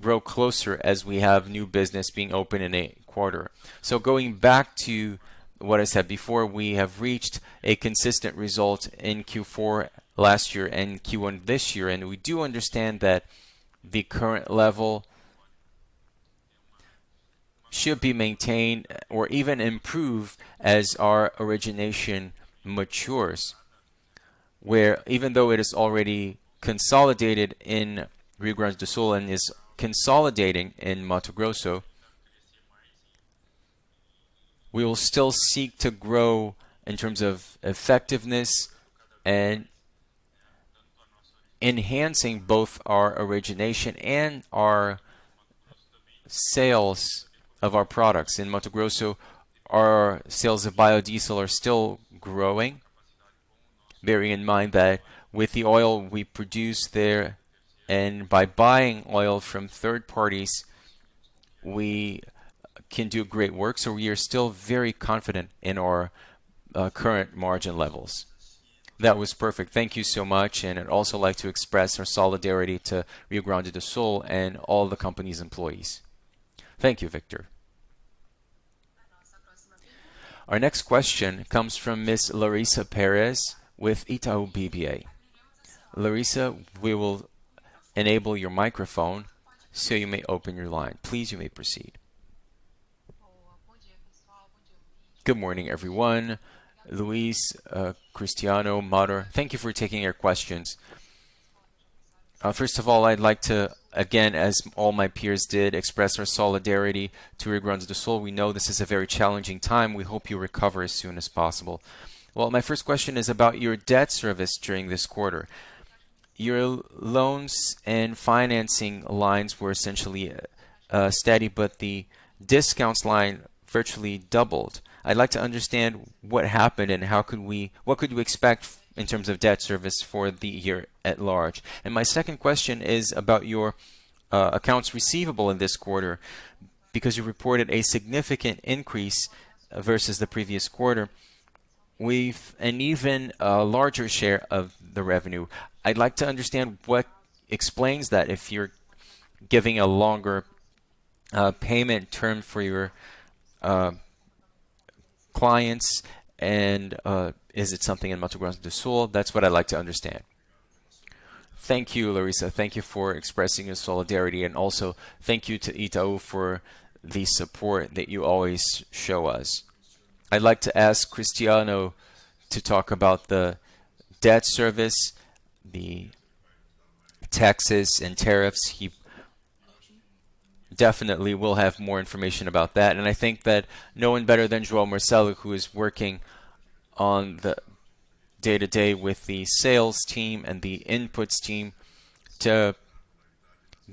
grow closer as we have new business being open in a quarter. So going back to what I said before, we have reached a consistent result in Q4 last year and Q1 this year, and we do understand that the current level should be maintained or even improved as our origination matures, where even though it is already consolidated in Rio Grande do Sul and is consolidating in Mato Grosso, we will still seek to grow in terms of effectiveness and enhancing both our origination and our sales of our products. In Mato Grosso, our sales of biodiesel are still growing. Bearing in mind that with the oil we produce there and by buying oil from third parties we can do great work, so we are still very confident in our current margin levels. That was perfect. Thank you so much, and I'd also like to express our solidarity to Rio Grande do Sul and all the company's employees. Thank you, Victor. Our next question comes from Ms. Larissa Pérez with Itaú BBA. Larissa, we will enable your microphone so you may open your line. Please, you may proceed. Good morning, everyone. Luiz, Cristiano, Mattos, thank you for taking our questions. First of all, I'd like to, again, as all my peers did, express our solidarity to Rio Grande do Sul. We know this is a very challenging time. We hope you recover as soon as possible. Well, my first question is about your debt service during this quarter. Your loans and financing lines were essentially steady, but the discounts line virtually doubled. I'd like to understand what happened and how could we-- what could we expect in terms of debt service for the year at large? My second question is about your accounts receivable in this quarter, because you reported a significant increase versus the previous quarter, with an even larger share of the revenue. I'd like to understand what explains that, if you're giving a longer payment term for your clients, and is it something in Mato Grosso do Sul? That's what I'd like to understand. Thank you, Larissa. Thank you for expressing your solidarity, and also thank you to Itaú for the support that you always show us. I'd like to ask Cristiano to talk about the debt service, the taxes and tariffs. He definitely will have more information about that, and I think that no one better than João Marcelo, who is working on the day-to-day with the sales team and the inputs team, to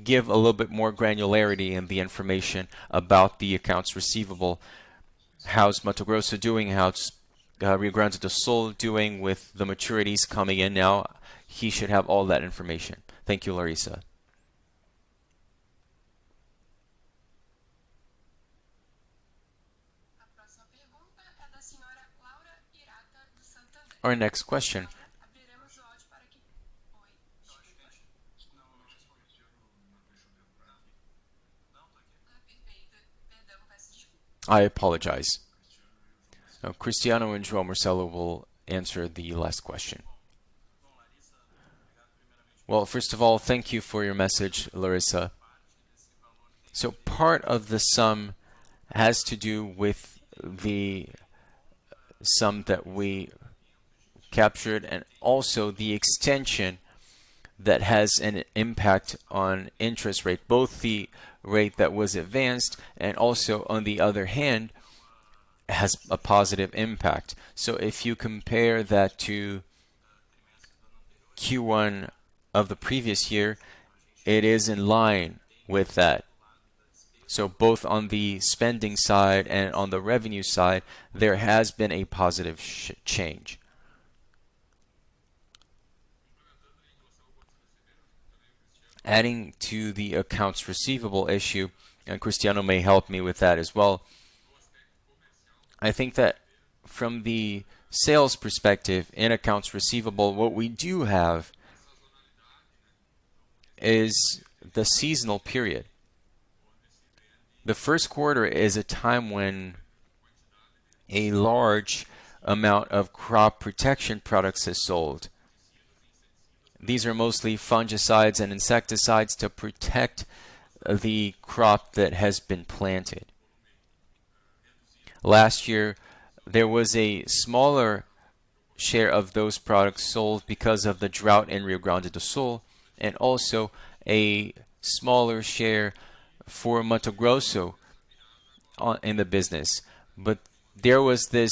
give a little bit more granularity in the information about the accounts receivable. How's Mato Grosso doing? How's Rio Grande do Sul doing with the maturities coming in now? He should have all that information. Thank you, Larissa. Our next question. I apologize. Now, Cristiano and João Marcelo will answer the last question. Well, first of all, thank you for your message, Larissa. So part of the sum has to do with the sum that we captured and also the extension that has an impact on interest rate, both the rate that was advanced and also, on the other hand, has a positive impact. So if you compare that to Q1 of the previous year, it is in line with that. So both on the spending side and on the revenue side, there has been a positive change. Adding to the accounts receivable issue, and Cristiano may help me with that as well. I think that from the sales perspective in accounts receivable, what we do have is the seasonal period. The first quarter is a time when a large amount of crop protection products is sold. These are mostly fungicides and insecticides to protect the crop that has been planted. Last year, there was a smaller share of those products sold because of the drought in Rio Grande do Sul and also a smaller share for Mato Grosso in the business. But there was this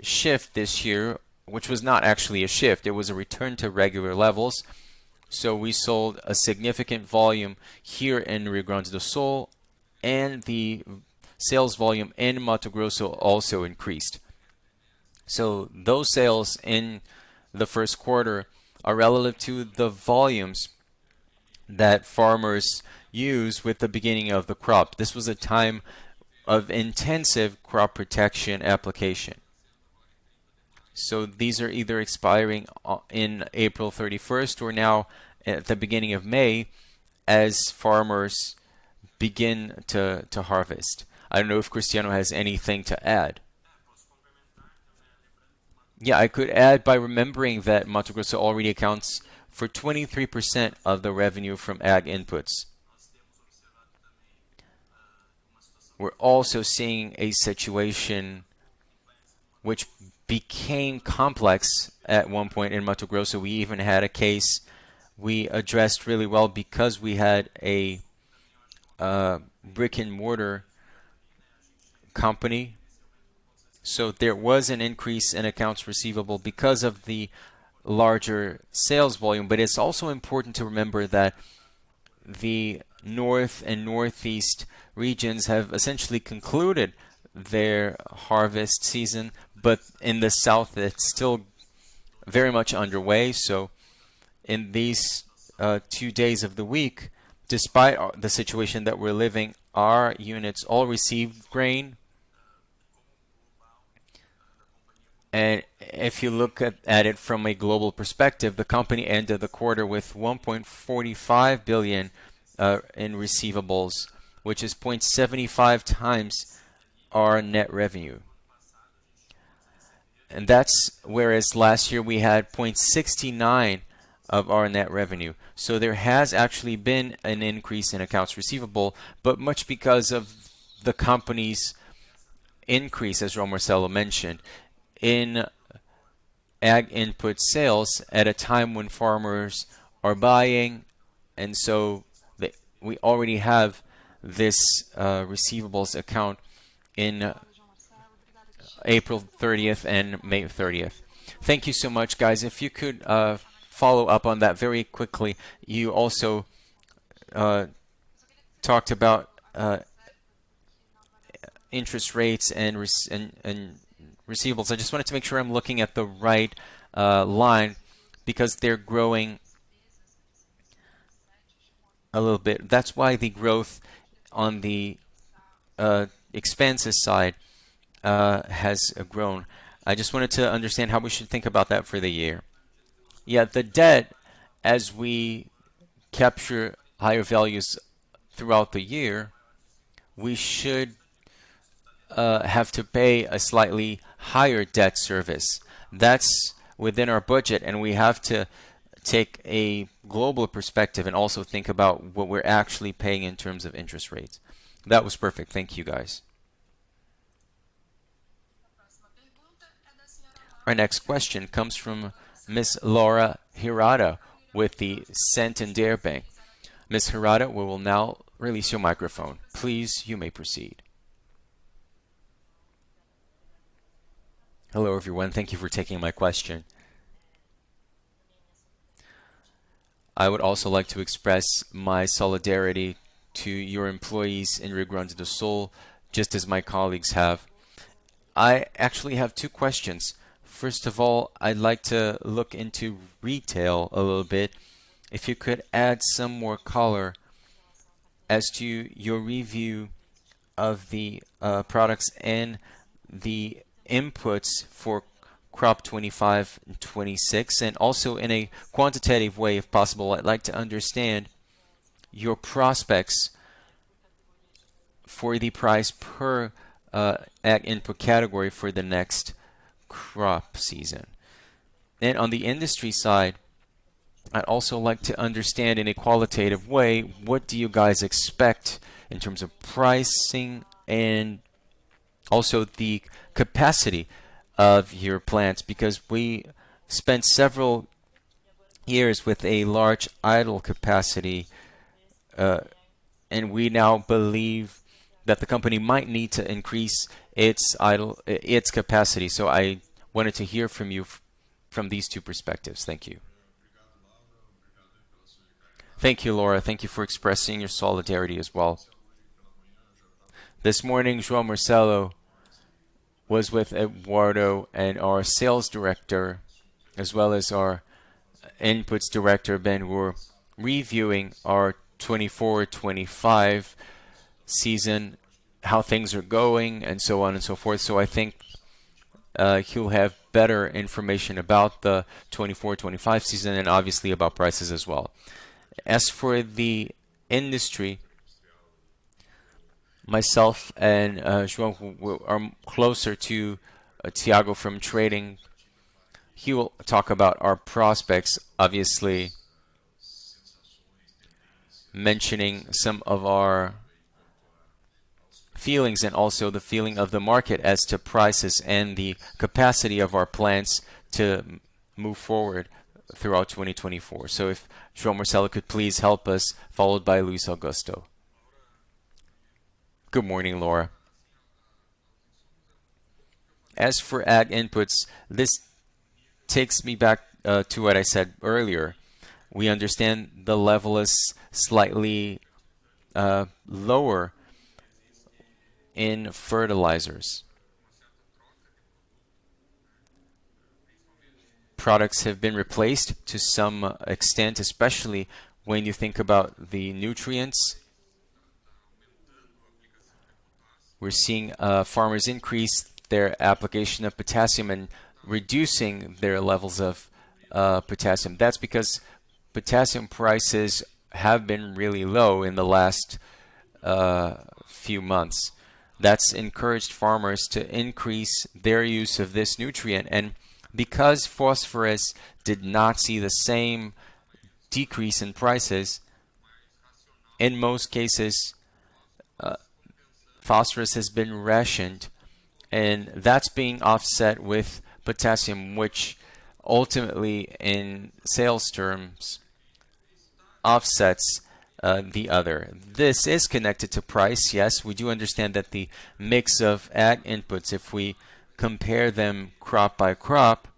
shift this year, which was not actually a shift. It was a return to regular levels, so we sold a significant volume here in Rio Grande do Sul, and the sales volume in Mato Grosso also increased. So those sales in the first quarter are relative to the volumes that farmers use with the beginning of the crop. This was a time of intensive crop protection application. So these are either expiring in April 31st or now at the beginning of May, as farmers begin to harvest. I don't know if Cristiano has anything to add. Yeah, I could add by remembering that Mato Grosso already accounts for 23% of the revenue from ag inputs. We're also seeing a situation which became complex at one point in Mato Grosso. We even had a case we addressed really well because we had a brick-and-mortar company. So there was an increase in accounts receivable because of the larger sales volume. But it's also important to remember that the North and Northeast regions have essentially concluded their harvest season, but in the South, it's still very much underway. So in these two days of the week, despite the situation that we're living, our units all received grain. And if you look at it from a global perspective, the company ended the quarter with 1.45 billion in receivables, which is 0.75x our net revenue. That's whereas last year we had 0.69 of our net revenue. So there has actually been an increase in accounts receivable, but much because of the company's increase, as João Marcelo mentioned, in ag input sales at a time when farmers are buying, and so we already have this receivables account in April thirtieth and May thirtieth. Thank you so much, guys. If you could follow up on that very quickly. You also talked about interest rates and receivables. I just wanted to make sure I'm looking at the right line because they're growing a little bit. That's why the growth on the expenses side has grown. I just wanted to understand how we should think about that for the year. Yeah, the debt, as we capture higher values throughout the year, we should have to pay a slightly higher debt service. That's within our budget, and we have to take a global perspective and also think about what we're actually paying in terms of interest rates. That was perfect. Thank you, guys. Our next question comes from Ms. Laura Hirata with the Santander Bank. Ms. Hirata, we will now release your microphone. Please, you may proceed. Hello, everyone. Thank you for taking my question. I would also like to express my solidarity to your employees in Rio Grande do Sul, just as my colleagues have. I actually have two questions. First of all, I'd like to look into retail a little bit. If you could add some more color as to your review of the products and the inputs for crop 25 and 26, and also in a quantitative way, if possible, I'd like to understand your prospects for the price per ag input category for the next crop season. And on the industry side, I'd also like to understand in a qualitative way, what do you guys expect in terms of pricing and also the capacity of your plants? Because we spent several years with a large idle capacity, and we now believe that the company might need to increase its idle, its capacity. So I wanted to hear from you from these two perspectives. Thank you. Thank you, Laura. Thank you for expressing your solidarity as well. This morning, João Marcelo was with Eduardo and our sales director, as well as our inputs director, Ben, were reviewing our 2024-2025 season, how things are going, and so on and so forth. So I think, he will have better information about the 2024-2025 season and obviously about prices as well. As for the industry, myself and, João, who are closer to Tiago from trading, he will talk about our prospects, obviously mentioning some of our feelings and also the feeling of the market as to prices and the capacity of our plants to move forward throughout 2024. So if João Marcelo could please help us, followed by Luiz Augusto. Good morning, Laura. As for ag inputs, this takes me back, to what I said earlier. We understand the level is slightly, lower in fertilizers. Products have been replaced to some extent, especially when you think about the nutrients. We're seeing farmers increase their application of potassium and reducing their levels of potassium. That's because potassium prices have been really low in the last few months. That's encouraged farmers to increase their use of this nutrient. And because phosphorus did not see the same decrease in prices, in most cases, phosphorus has been rationed, and that's being offset with potassium, which ultimately, in sales terms, offsets the other. This is connected to price, yes, we do understand that the mix of ag inputs, if we compare them crop by crop,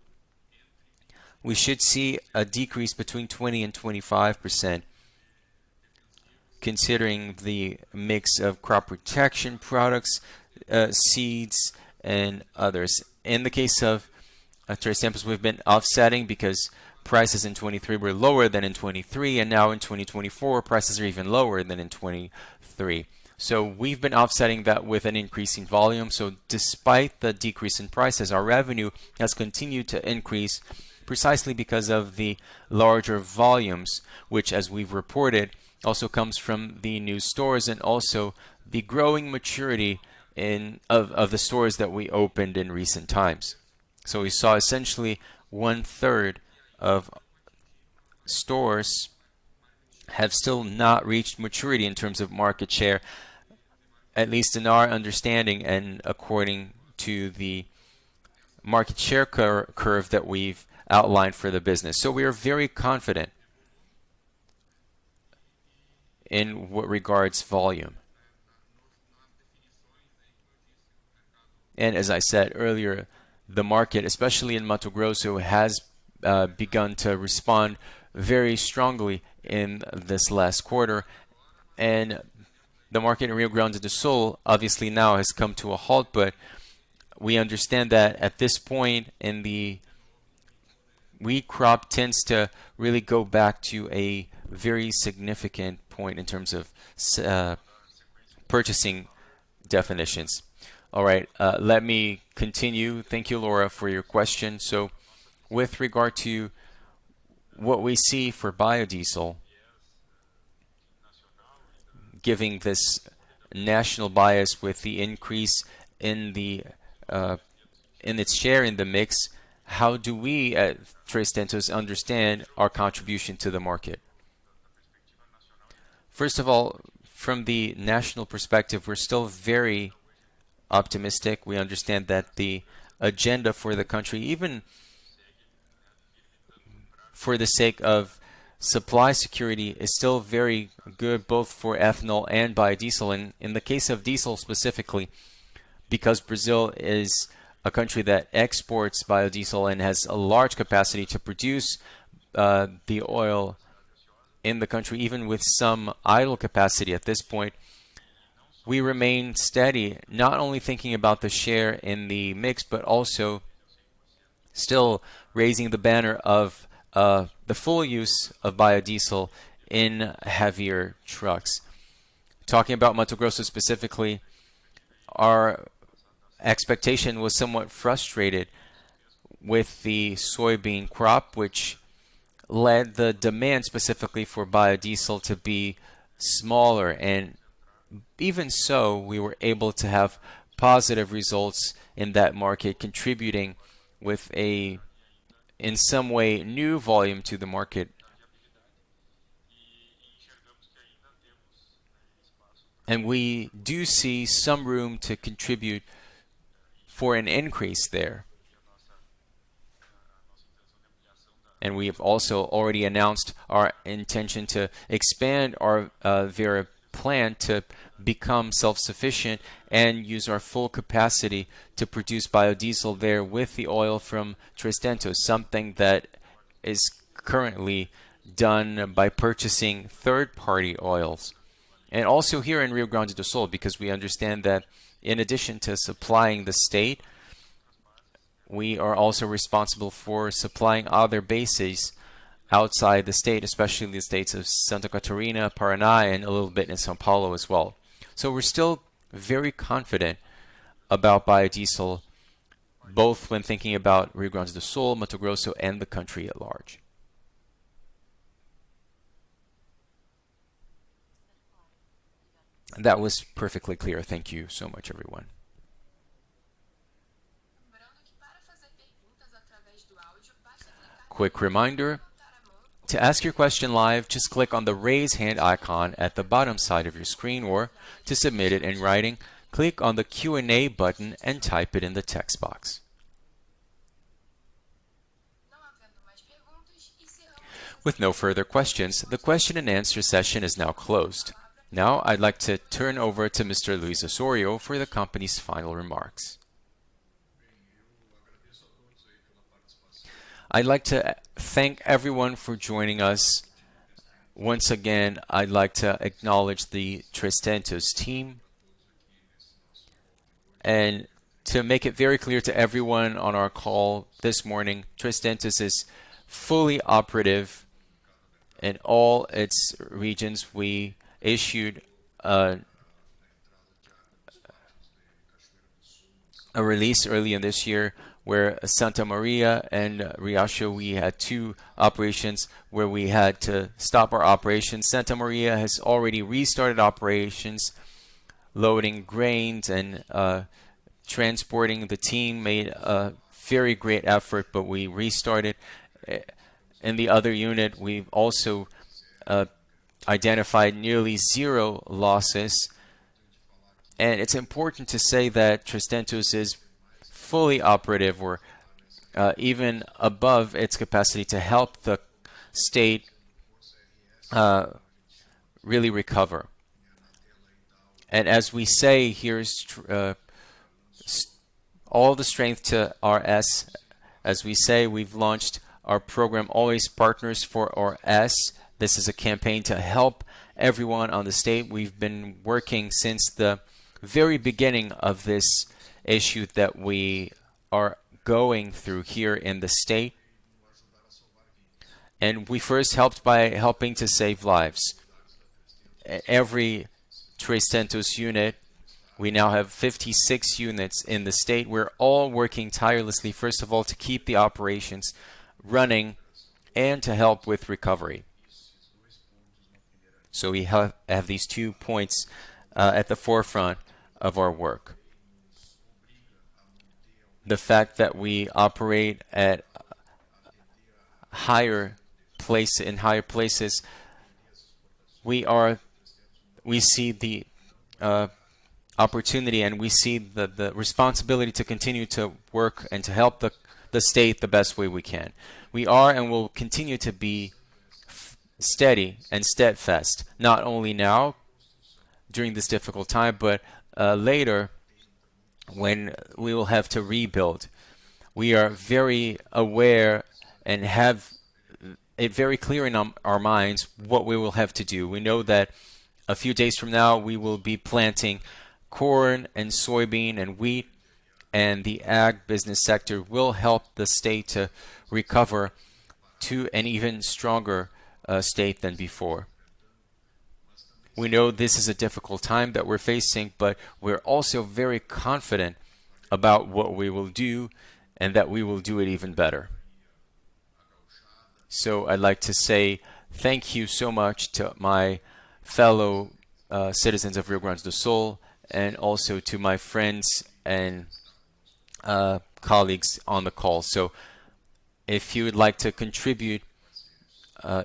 we should see a decrease between 20%-25% considering the mix of crop protection products, seeds, and others. In the case of 3tentos, we've been offsetting because prices in 2023 were lower than in 2023, and now in 2024, prices are even lower than in 2023. So we've been offsetting that with an increase in volume. So despite the decrease in prices, our revenue has continued to increase precisely because of the larger volumes, which, as we've reported, also comes from the new stores and also the growing maturity in the stores that we opened in recent times. So we saw essentially one-third of stores have still not reached maturity in terms of market share, at least in our understanding and according to the market share curve that we've outlined for the business. So we are very confident in what regards volume. As I said earlier, the market, especially in Mato Grosso, has begun to respond very strongly in this last quarter, and the market in Rio Grande do Sul, obviously, now has come to a halt. But we understand that at this point, in the wheat crop tends to really go back to a very significant point in terms of purchasing definitions. All right, let me continue. Thank you, Laura, for your question. So with regard to what we see for biodiesel, giving this national bias with the increase in the, in its share in the mix, how do we, at 3tentos, understand our contribution to the market? First of all, from the national perspective, we're still very optimistic. We understand that the agenda for the country, even for the sake of supply security, is still very good, both for ethanol and biodiesel, and in the case of diesel, specifically, because Brazil is a country that exports biodiesel and has a large capacity to produce the oil in the country, even with some idle capacity at this point. We remain steady, not only thinking about the share in the mix, but also still raising the banner of the full use of biodiesel in heavier trucks. Talking about Mato Grosso, specifically, our expectation was somewhat frustrated with the soybean crop, which led the demand, specifically for biodiesel, to be smaller. And even so, we were able to have positive results in that market, contributing with a, in some way, new volume to the market. And we do see some room to contribute for an increase there. We have also already announced our intention to expand our Vera plant to become self-sufficient and use our full capacity to produce biodiesel there with the oil from Três Tentos, something that is currently done by purchasing third-party oils. And also here in Rio Grande do Sul, because we understand that in addition to supplying the state, we are also responsible for supplying other bases outside the state, especially in the states of Santa Catarina, Paraná, and a little bit in São Paulo as well. So we're still very confident about biodiesel, both when thinking about Rio Grande do Sul, Mato Grosso, and the country at large. That was perfectly clear. Thank you so much, everyone. Quick reminder, to ask your question live, just click on the Raise Hand icon at the bottom side of your screen, or to submit it in writing, click on the Q&A button and type it in the text box. With no further questions, the question and answer session is now closed. Now, I'd like to turn over to Mr. Luiz Osório for the company's final remarks. I'd like to thank everyone for joining us. Once again, I'd like to acknowledge the 3tentos team. To make it very clear to everyone on our call this morning, 3tentos is fully operative in all its regions. We issued a release earlier this year where Santa Maria and Riachuelo, we had two operations where we had to stop our operations. Santa Maria has already restarted operations, loading grains and transporting. The team made a very great effort, but we restarted. In the other unit, we've also identified nearly zero losses, and it's important to say that 3tentos is fully operative or even above its capacity to help the state really recover. And as we say, here's all the strength to RS. As we say, we've launched our program, Sempre Presente for RS. This is a campaign to help everyone on the state. We've been working since the very beginning of this issue that we are going through here in the state, and we first helped by helping to save lives. Every 3tentos unit, we now have 56 units in the state. We're all working tirelessly, first of all, to keep the operations running and to help with recovery. So we have these two points at the forefront of our work. The fact that we operate at higher place, in higher places, we are, we see the opportunity, and we see the responsibility to continue to work and to help the state the best way we can. We are and will continue to be steady and steadfast, not only now, during this difficult time, but later when we will have to rebuild. We are very aware and have it very clear in our minds what we will have to do. We know that a few days from now, we will be planting corn and soybean and wheat, and the ag business sector will help the state to recover to an even stronger state than before. We know this is a difficult time that we're facing, but we're also very confident about what we will do and that we will do it even better. So I'd like to say thank you so much to my fellow citizens of Rio Grande do Sul, and also to my friends and colleagues on the call. So if you would like to contribute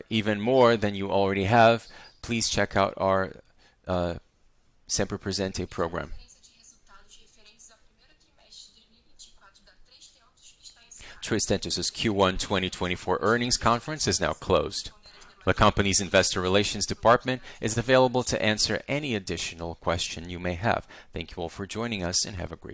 even more than you already have, please check out our Sempre Presente program. 3tentos' Q1 2024 earnings conference is now closed. The company's investor relations department is available to answer any additional question you may have. Thank you all for joining us, and have a great day.